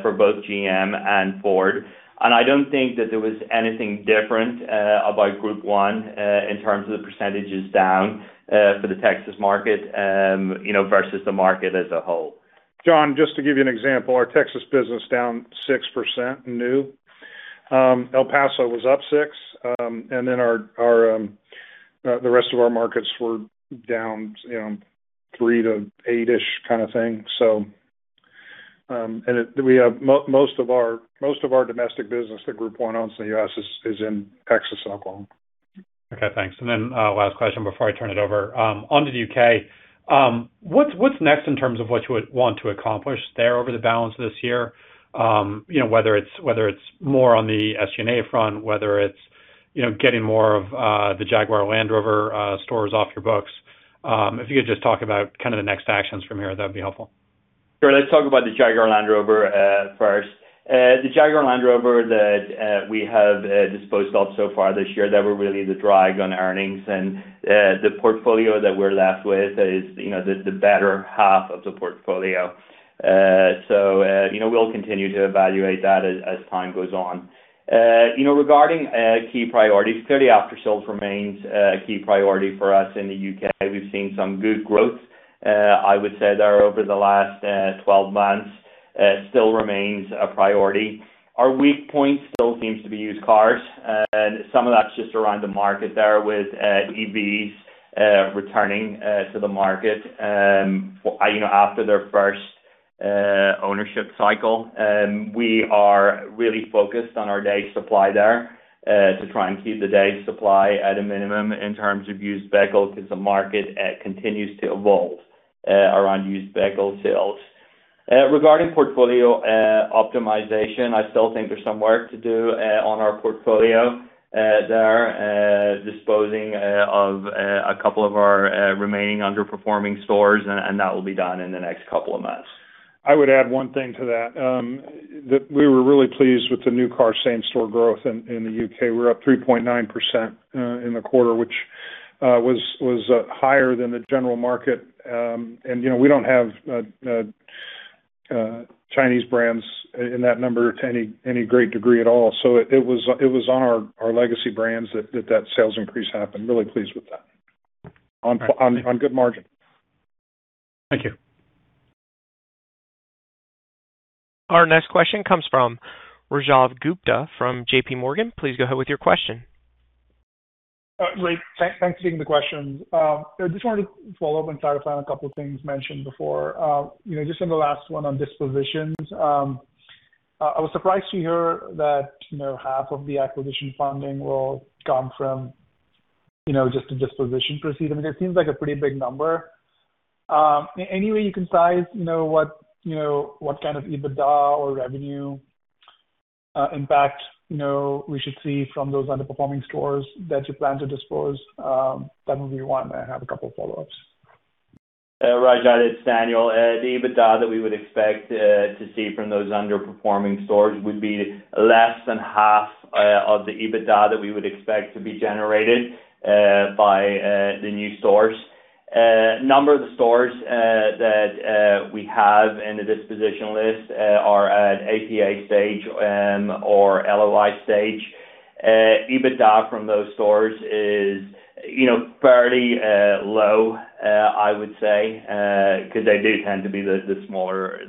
for both GM and Ford. I don't think that there was anything different about Group 1 in terms of the percentages down for the Texas market versus the market as a whole. John, just to give you an example, our Texas business down 6% new. El Paso was up six. The rest of our markets were down three to eight-ish kind of thing. Most of our domestic business that Group 1 owns in the U.S. is in Texas and Oklahoma. Okay, thanks. Last question before I turn it over. On to the U.K., what's next in terms of what you would want to accomplish there over the balance of this year? Whether it's more on the SG&A front, whether it's getting more of the Jaguar Land Rover stores off your books. If you could just talk about kind of the next actions from here, that'd be helpful. Sure. Let's talk about the Jaguar Land Rover first. The Jaguar Land Rover that we have disposed of so far this year, that was really the drag on earnings, and the portfolio that we're left with is the better half of the portfolio. We'll continue to evaluate that as time goes on. Regarding key priorities, clearly after-sales remains a key priority for us in the U.K. We've seen some good growth, I would say, there over the last 12 months. It still remains a priority. Our weak point still seems to be used cars. Some of that's just around the market there with EVs returning to the market after their first ownership cycle. We are really focused on our day supply there to try and keep the day supply at a minimum in terms of used vehicle, because the market continues to evolve around used vehicle sales. Regarding portfolio optimization, I still think there's some work to do on our portfolio there, disposing of a couple of our remaining underperforming stores, that will be done in the next couple of months. I would add one thing to that. That we were really pleased with the new car same-store growth in the U.K. We're up 3.9% in the quarter, which was higher than the general market. We don't have Chinese brands in that number to any great degree at all. It was on our legacy brands that that sales increase happened. Really pleased with that. On good margin. Thank you. Our next question comes from Rajat Gupta from JPMorgan. Please go ahead with your question. Great. Thanks for taking the question. I just wanted to follow up and clarify on a couple of things mentioned before. Just on the last one, on dispositions. I was surprised to hear that half of the acquisition funding will come from just the disposition proceed. I mean, it seems like a pretty big number. Any way you can size what kind of EBITDA or revenue impact we should see from those underperforming stores that you plan to dispose? That would be one, I have a couple of follow-ups. Hey Rajat, it's Daniel. The EBITDA that we would expect to see from those underperforming stores would be less than half of the EBITDA that we would expect to be generated by the new stores. A number of the stores that we have in the disposition list are at APA stage or LOI stage. EBITDA from those stores is fairly low, I would say, because they do tend to be the smaller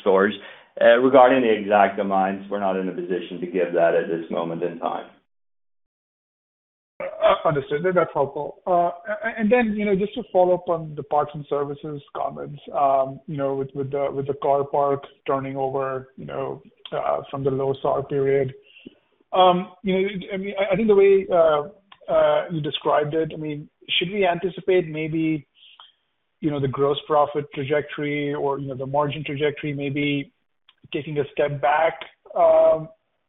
stores. Regarding the exact amounts, we're not in a position to give that at this moment in time. Understood. That's helpful. Just to follow up on the parts and services comments, with the car park turning over from the low SAR period. I think the way you described it, should we anticipate maybe the gross profit trajectory or the margin trajectory maybe taking a step back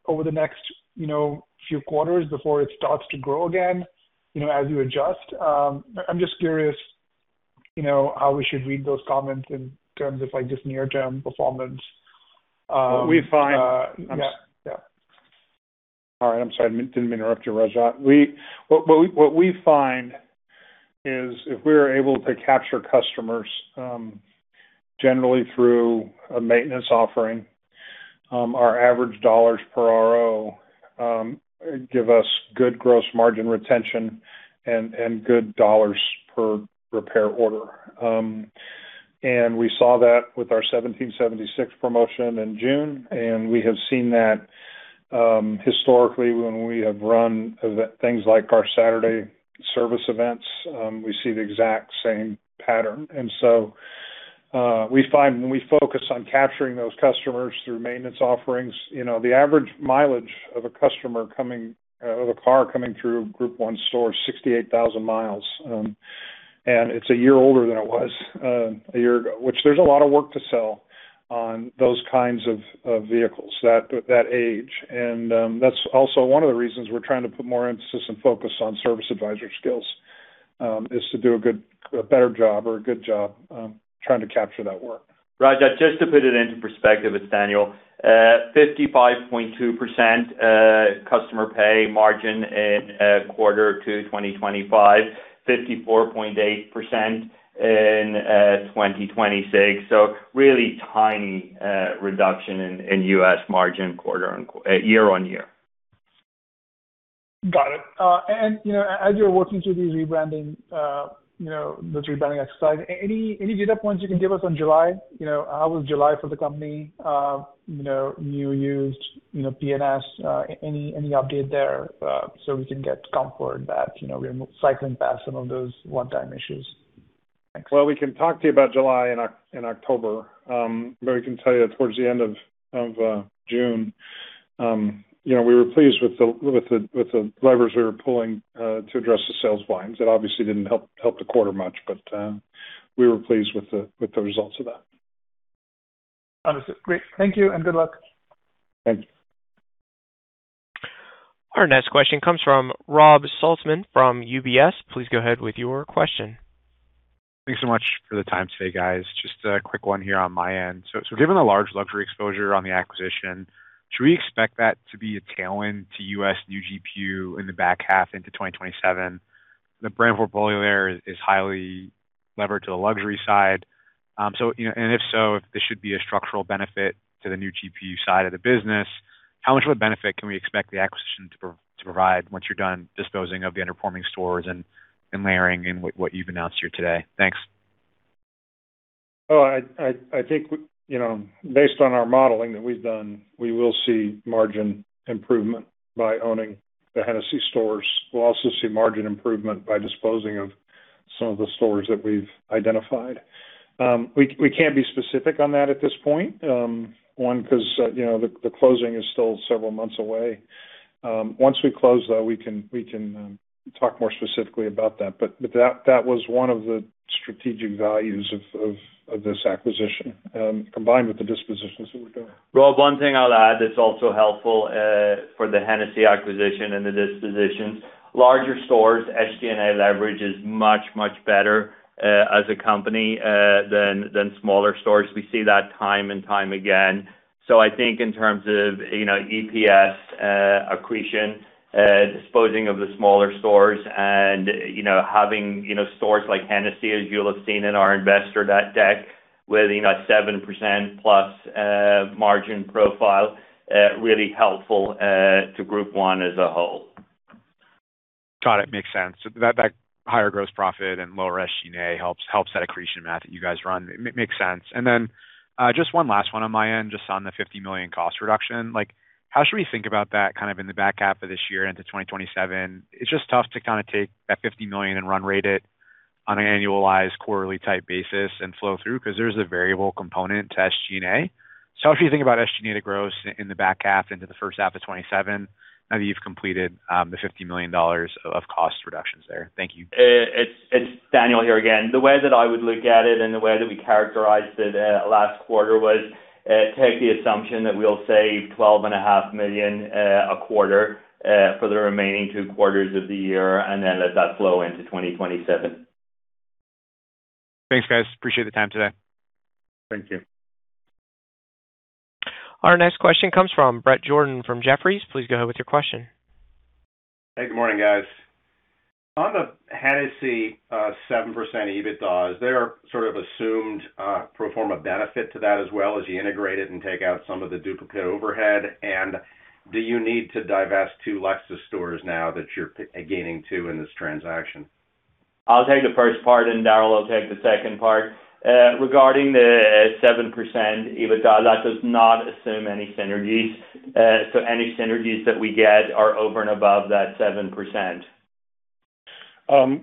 over the next few quarters before it starts to grow again as you adjust? I'm just curious how we should read those comments in terms of just near-term performance. What we find. Yeah. All right. I'm sorry, didn't mean to interrupt you, Rajat. What we find is if we are able to capture customers, generally through a maintenance offering, our average dollars per RO give us good gross margin retention and good dollars per repair order. We saw that with our $17.76 promotion in June, and we have seen that historically when we have run things like our Saturday service events. We see the exact same pattern. We find when we focus on capturing those customers through maintenance offerings, the average mileage of a car coming through a Group 1 store is 68,000 miles. It's a year older than it was a year ago, which there's a lot of work to sell on those kinds of vehicles, that age. That's also one of the reasons we're trying to put more emphasis and focus on service advisory skills, is to do a better job or a good job trying to capture that work. Rajat, just to put it into perspective, it's Daniel. 55.2% customer pay margin in quarter two 2025, 54.8% in 2026. Really tiny reduction in U.S. margin year-on-year. Got it. As you're working through this rebranding exercise, any data points you can give us on July? How was July for the company? New, used, P&S, any update there so we can get comfort that we're cycling past some of those one-time issues? Thanks. Well, we can talk to you about July in October, I can tell you that towards the end of June, we were pleased with the levers we were pulling to address the sales volumes. It obviously didn't help the quarter much, we were pleased with the results of that. Understood. Great. Thank you, and good luck. Thanks. Our next question comes from Rob Saltzman from UBS. Please go ahead with your question. Thanks so much for the time today, guys. Just a quick one here on my end. Given the large luxury exposure on the acquisition, should we expect that to be a tailwind to U.S. new GPU in the back half into 2027? The brand portfolio there is highly levered to the luxury side. If so, if this should be a structural benefit to the new GPU side of the business, how much of a benefit can we expect the acquisition to provide once you're done disposing of the underperforming stores and layering in what you've announced here today? Thanks. I think, based on our modeling that we've done, we will see margin improvement by owning the Hennessy stores. We'll also see margin improvement by disposing of some of the stores that we've identified. We can't be specific on that at this point. One, because the closing is still several months away. Once we close, though, we can talk more specifically about that. That was one of the strategic values of this acquisition, combined with the dispositions that we're doing. Rob, one thing I'll add that's also helpful for the Hennessy acquisition and the dispositions, larger stores, SG&A leverage is much better as a company than smaller stores. We see that time and time again. I think in terms of EPS accretion, disposing of the smaller stores and having stores like Hennessy, as you'll have seen in our investor.deck with a 7%+ margin profile, really helpful to Group 1 as a whole. Got it. Makes sense. That higher gross profit and lower SG&A helps that accretion math that you guys run. It makes sense. Just one last one on my end, just on the $50 million cost reduction. How should we think about that kind of in the back half of this year into 2027? It's just tough to kind of take that $50 million and run rate it on an annualized, quarterly type basis and flow through, because there's a variable component to SG&A. How should you think about SG&A to gross in the back half into the first half of 2027 now that you've completed the $50 million of cost reductions there? Thank you. It's Daniel here again. The way that I would look at it and the way that we characterized it last quarter was take the assumption that we'll save $12.5 million a quarter for the remaining two quarters of the year and then let that flow into 2027. Thanks, guys. Appreciate the time today. Thank you. Our next question comes from Bret Jordan from Jefferies. Please go ahead with your question. Hey, good morning, guys. On the Hennessy 7% EBITDA, is there sort of assumed pro forma benefit to that as well as you integrate it and take out some of the duplicate overhead? Do you need to divest two Lexus stores now that you're gaining two in this transaction? I'll take the first part. Daryl will take the second part. Regarding the 7% EBITDA, that does not assume any synergies. Any synergies that we get are over and above that 7%.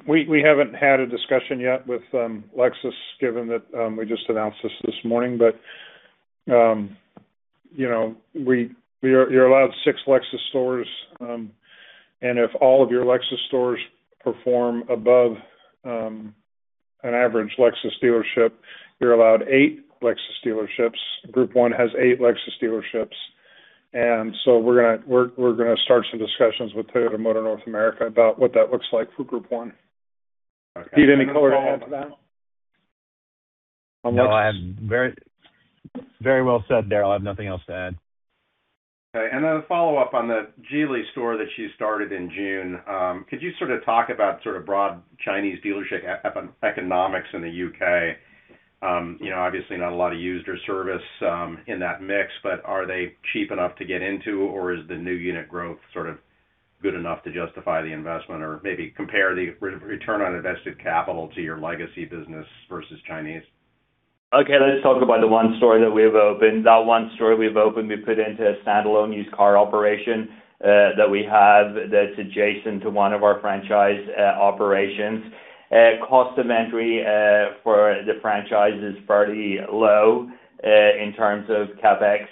We haven't had a discussion yet with Lexus given that we just announced this this morning. You're allowed six Lexus stores. If all of your Lexus stores perform above an average Lexus dealership, you're allowed eight Lexus dealerships. Group 1 has eight Lexus dealerships. We're going to start some discussions with Toyota Motor North America about what that looks like for Group 1. Pete, any color to add to that? No, very well said, Daryl. I have nothing else to add. Okay, then a follow-up on the Geely store that you started in June. Could you sort of talk about sort of broad Chinese dealership economics in the U.K.? Obviously not a lot of used or service in that mix, but are they cheap enough to get into, or is the new unit growth sort of good enough to justify the investment? Or maybe compare the return on invested capital to your legacy business versus Chinese. Okay, let's talk about the one store that we have opened. That one store we've opened, we put into a standalone used car operation that we have that's adjacent to one of our franchise operations. Cost of entry for the franchise is fairly low in terms of CapEx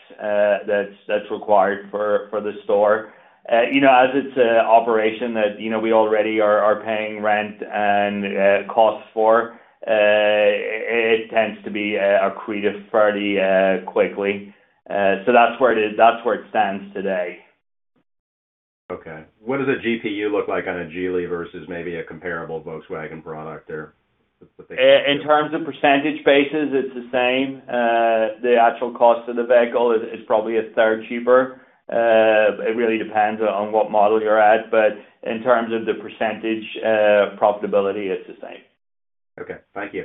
that's required for the store. As it's an operation that we already are paying rent and costs for, it tends to be accretive fairly quickly. That's where it stands today. Okay. What does a GPU look like on a Geely versus maybe a comparable Volkswagen product or what's a big difference? In terms of percentage basis, it's the same. The actual cost of the vehicle is probably a third cheaper. It really depends on what model you're at, but in terms of the percentage profitability, it's the same. Okay. Thank you.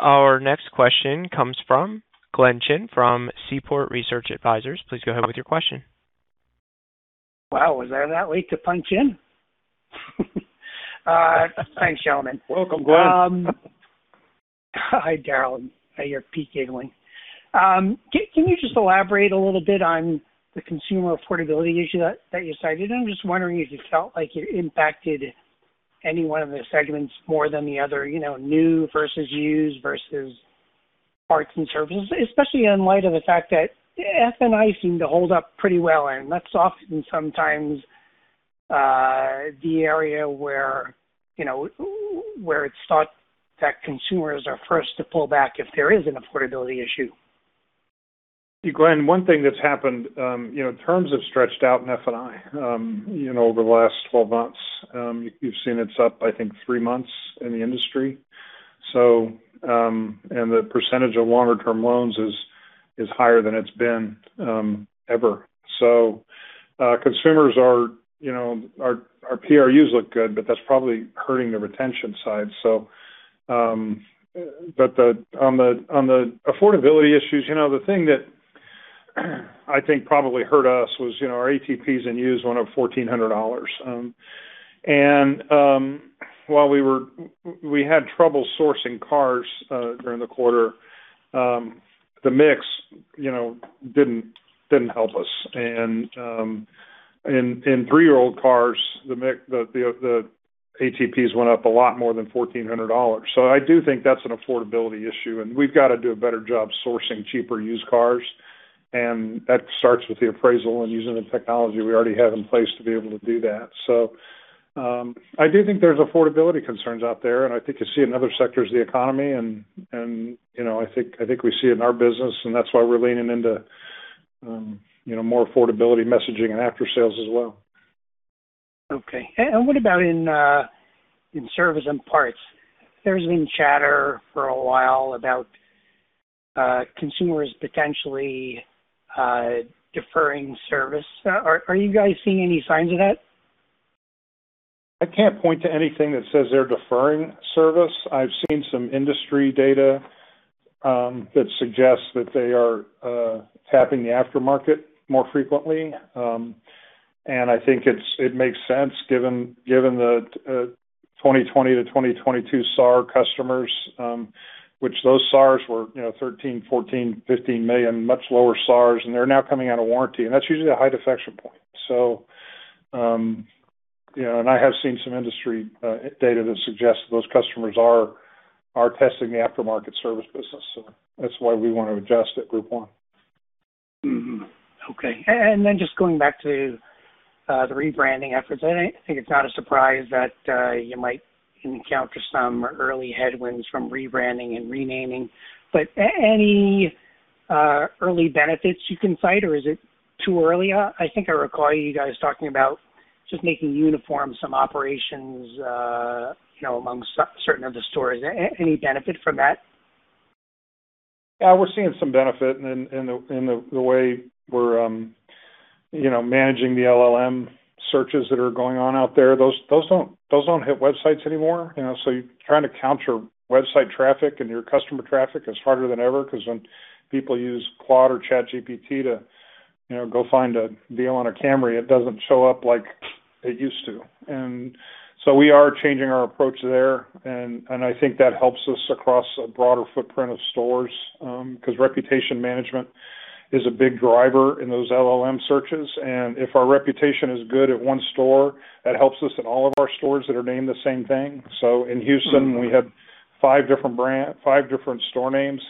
Our next question comes from Glenn Chin from Seaport Research Partners. Please go ahead with your question. Wow, was I that late to punch in? Thanks, gentlemen. Welcome, Glenn. Hi, Daryl. Hi, Pete Gidling. Can you just elaborate a little bit on the consumer affordability issue that you cited? I'm just wondering if you felt like it impacted any one of the segments more than the other, new versus used versus parts and services, especially in light of the fact that F&I seem to hold up pretty well, and that's often sometimes the area where it's thought that consumers are first to pull back if there is an affordability issue. Glenn, one thing that's happened, terms have stretched out in F&I over the last 12 months. You've seen it's up, I think, three months in the industry. The percentage of longer-term loans is higher than it's been ever. Consumers are, our PRUs look good, but that's probably hurting the retention side. On the affordability issues, the thing that I think probably hurt us was our ATPs and used went up $1,400. While we had trouble sourcing cars during the quarter, the mix didn't help us. In three-year-old cars, the ATPs went up a lot more than $1,400. I do think that's an affordability issue, and we've got to do a better job sourcing cheaper used cars, and that starts with the appraisal and using the technology we already have in place to be able to do that. I do think there's affordability concerns out there, and I think you see it in other sectors of the economy, and I think we see it in our business, and that's why we're leaning into more affordability messaging and aftersales as well. Okay. What about in service and parts? There's been chatter for a while about consumers potentially deferring service. Are you guys seeing any signs of that? I can't point to anything that says they're deferring service. I've seen some industry data that suggests that they are tapping the aftermarket more frequently. I think it makes sense given the 2020 to 2022 SAR customers, which those SARs were $13 million, $14 million, $15 million, much lower SARs, and they're now coming out of warranty, and that's usually a high defection point. I have seen some industry data that suggests those customers are testing the aftermarket service business, that's why we want to adjust at Group 1. Mm-hmm. Okay. Just going back to the rebranding efforts, I think it's not a surprise that you might encounter some early headwinds from rebranding and renaming, any early benefits you can cite, or is it too early? I think I recall you guys talking about just making uniform some operations amongst certain of the stores. Any benefit from that? Yeah, we're seeing some benefit in the way we're managing the LLM searches that are going on out there. Those don't hit websites anymore. Trying to count your website traffic and your customer traffic is harder than ever because when people use Claude or ChatGPT to go find a deal on a Camry, it doesn't show up like it used to. We are changing our approach there, I think that helps us across a broader footprint of stores, because reputation management is a big driver in those LLM searches, if our reputation is good at one store, that helps us in all of our stores that are named the same thing. In Houston, we have five different store names.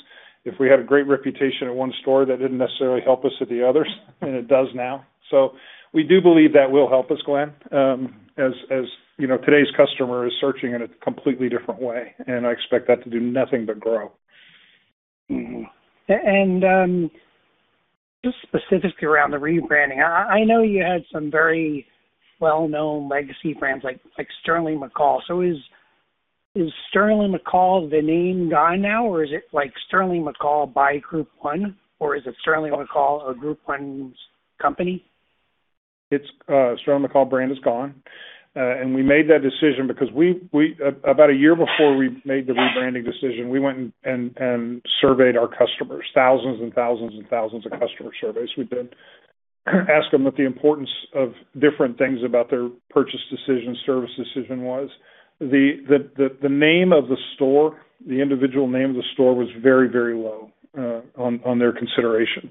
If we had a great reputation at one store, that didn't necessarily help us at the others, and it does now. We do believe that will help us, Glenn. As today's customer is searching in a completely different way, I expect that to do nothing but grow. Mm-hmm. Just specifically around the rebranding, I know you had some very well-known legacy brands like Sterling McCall. Is Sterling McCall the name gone now, or is it Sterling McCall by Group 1, or is it Sterling McCall a Group 1's company? Sterling McCall brand is gone. We made that decision because about a year before we made the rebranding decision, we went and surveyed our customers, thousands and thousands and thousands of customer surveys we did. We asked them what the importance of different things about their purchase decision, service decision was. The name of the store, the individual name of the store was very, very low on their consideration.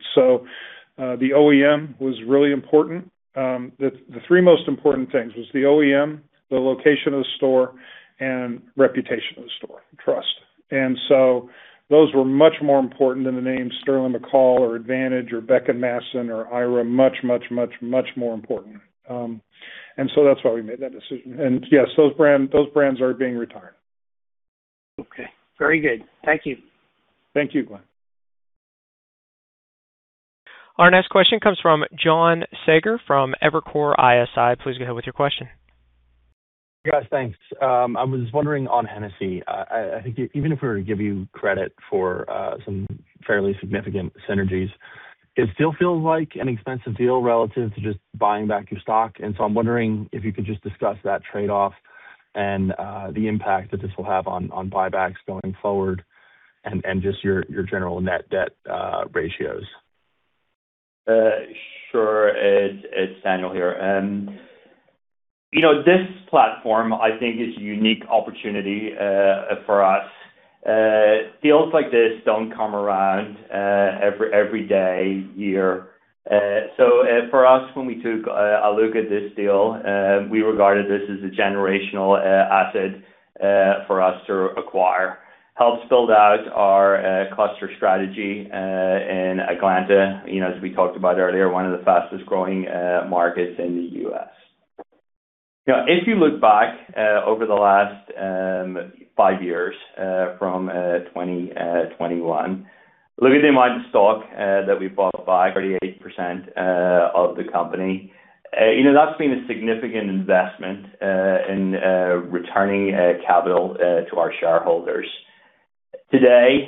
The OEM was really important. The three most important things was the OEM, the location of the store, and reputation of the store, trust. Those were much more important than the name Sterling McCall or Advantage or Beck & Masten or Ira, much, much, much, much more important. That's why we made that decision. Yes, those brands are being retired. Okay. Very good. Thank you. Thank you, Glenn. Our next question comes from John Saager from Evercore ISI. Please go ahead with your question. Guys, thanks. I was wondering on Hennessy. I think even if we were to give you credit for some fairly significant synergies, it still feels like an expensive deal relative to just buying back your stock. I'm wondering if you could just discuss that trade-off and the impact that this will have on buybacks going forward, and just your general net debt ratios. Sure. It's Daniel here. This platform, I think is a unique opportunity for us. Deals like this don't come around every day, year. For us, when we took a look at this deal, we regarded this as a generational asset for us to acquire. Helps build out our cluster strategy in Atlanta, as we talked about earlier, one of the fastest-growing markets in the U.S. Yeah, if you look back over the last five years, from 2021, look at the amount of stock that we bought back, 38% of the company. That's been a significant investment in returning capital to our shareholders. Today,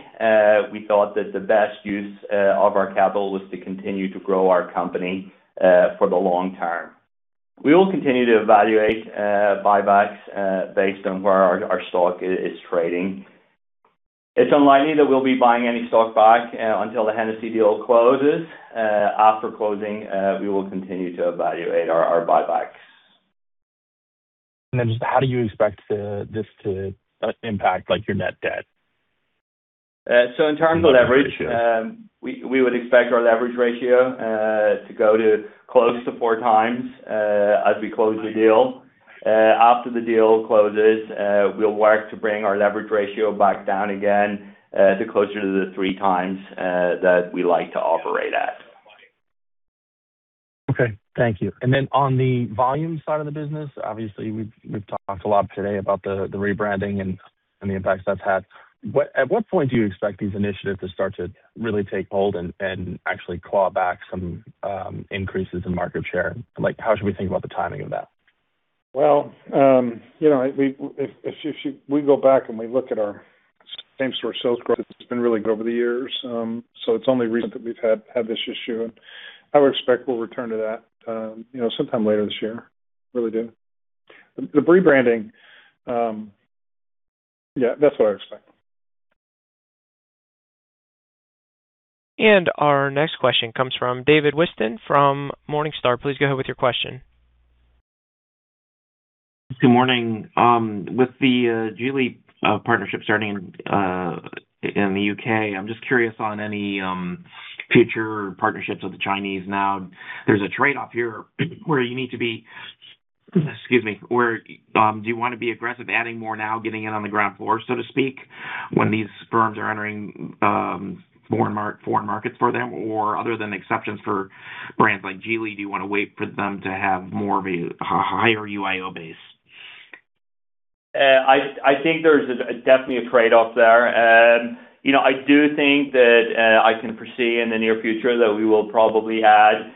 we thought that the best use of our capital was to continue to grow our company for the long term. We will continue to evaluate buybacks based on where our stock is trading. It's unlikely that we'll be buying any stock back until the Hennessy deal closes. After closing, we will continue to evaluate our buybacks. Then just how do you expect this to impact your net debt? In terms of leverage, we would expect our leverage ratio to go to close to four times as we close the deal. After the deal closes, we'll work to bring our leverage ratio back down again to closer to the three times that we like to operate at. Okay. Thank you. Then on the volume side of the business, obviously, we've talked a lot today about the rebranding and the impacts that's had. At what point do you expect these initiatives to start to really take hold and actually claw back some increases in market share? How should we think about the timing of that? If we go back and we look at our same-store sales growth, it's been really good over the years. It's only recent that we've had this issue, and I would expect we'll return to that sometime later this year. Really do. The rebranding, yeah, that's what I expect. Our next question comes from David Whiston from Morningstar. Please go ahead with your question. Good morning. With the Geely partnership starting in the U.K., I'm just curious on any future partnerships with the Chinese. There's a trade-off here where you need to be, excuse me, where do you want to be aggressive, adding more now, getting in on the ground floor, so to speak, when these firms are entering foreign markets for them, or other than exceptions for brands like Geely, do you want to wait for them to have more of a higher VIO base? I think there's definitely a trade-off there. I do think that I can foresee in the near future that we will probably add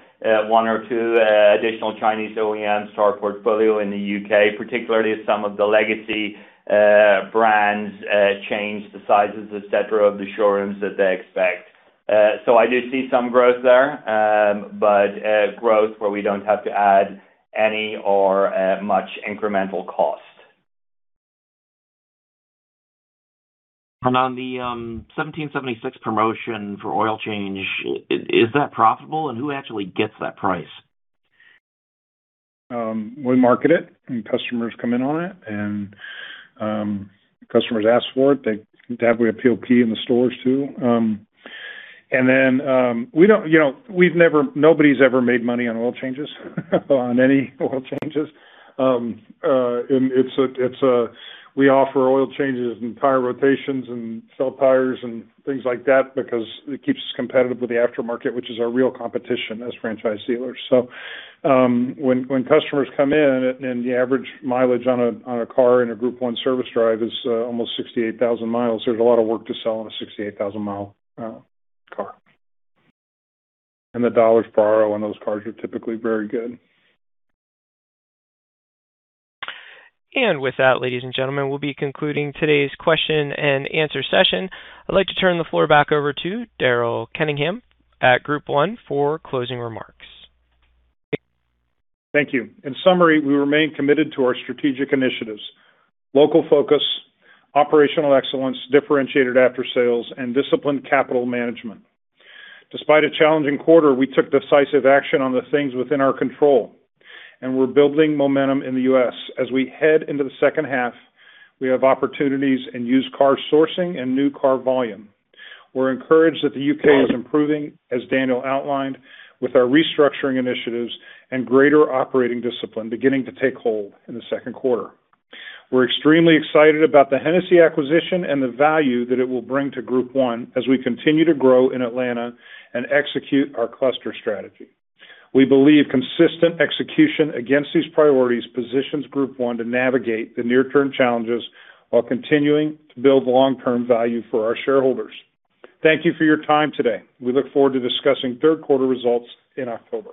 one or two additional Chinese OEMs to our portfolio in the U.K., particularly as some of the legacy brands change the sizes, et cetera, of the showrooms that they expect. I do see some growth there, but growth where we don't have to add any or much incremental cost. On the $1,776 promotion for oil change, is that profitable, and who actually gets that price? We market it, customers come in on it, customers ask for it. We have POP in the stores, too. Nobody's ever made money on oil changes, on any oil changes. We offer oil changes and tire rotations and sell tires and things like that because it keeps us competitive with the aftermarket, which is our real competition as franchise dealers. When customers come in and the average mileage on a car in a Group 1 service drive is almost 68,000 miles, there's a lot of work to sell on a 68,000-mile car. The dollars per RO on those cars are typically very good. With that, ladies and gentlemen, we'll be concluding today's question and answer session. I'd like to turn the floor back over to Daryl Kenningham at Group 1 for closing remarks. Thank you. In summary, we remain committed to our strategic initiatives, local focus, operational excellence, differentiated aftersales, and disciplined capital management. Despite a challenging quarter, we took decisive action on the things within our control, we're building momentum in the U.S. As we head into the second half, we have opportunities in used car sourcing and new car volume. We're encouraged that the U.K. is improving, as Daniel outlined, with our restructuring initiatives and greater operating discipline beginning to take hold in the second quarter. We're extremely excited about the Hennessy acquisition and the value that it will bring to Group 1 as we continue to grow in Atlanta and execute our cluster strategy. We believe consistent execution against these priorities positions Group 1 to navigate the near-term challenges while continuing to build long-term value for our shareholders. Thank you for your time today. We look forward to discussing third quarter results in October.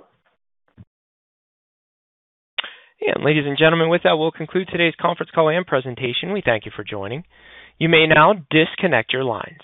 Ladies and gentlemen, with that, we'll conclude today's conference call and presentation. We thank you for joining. You may now disconnect your line.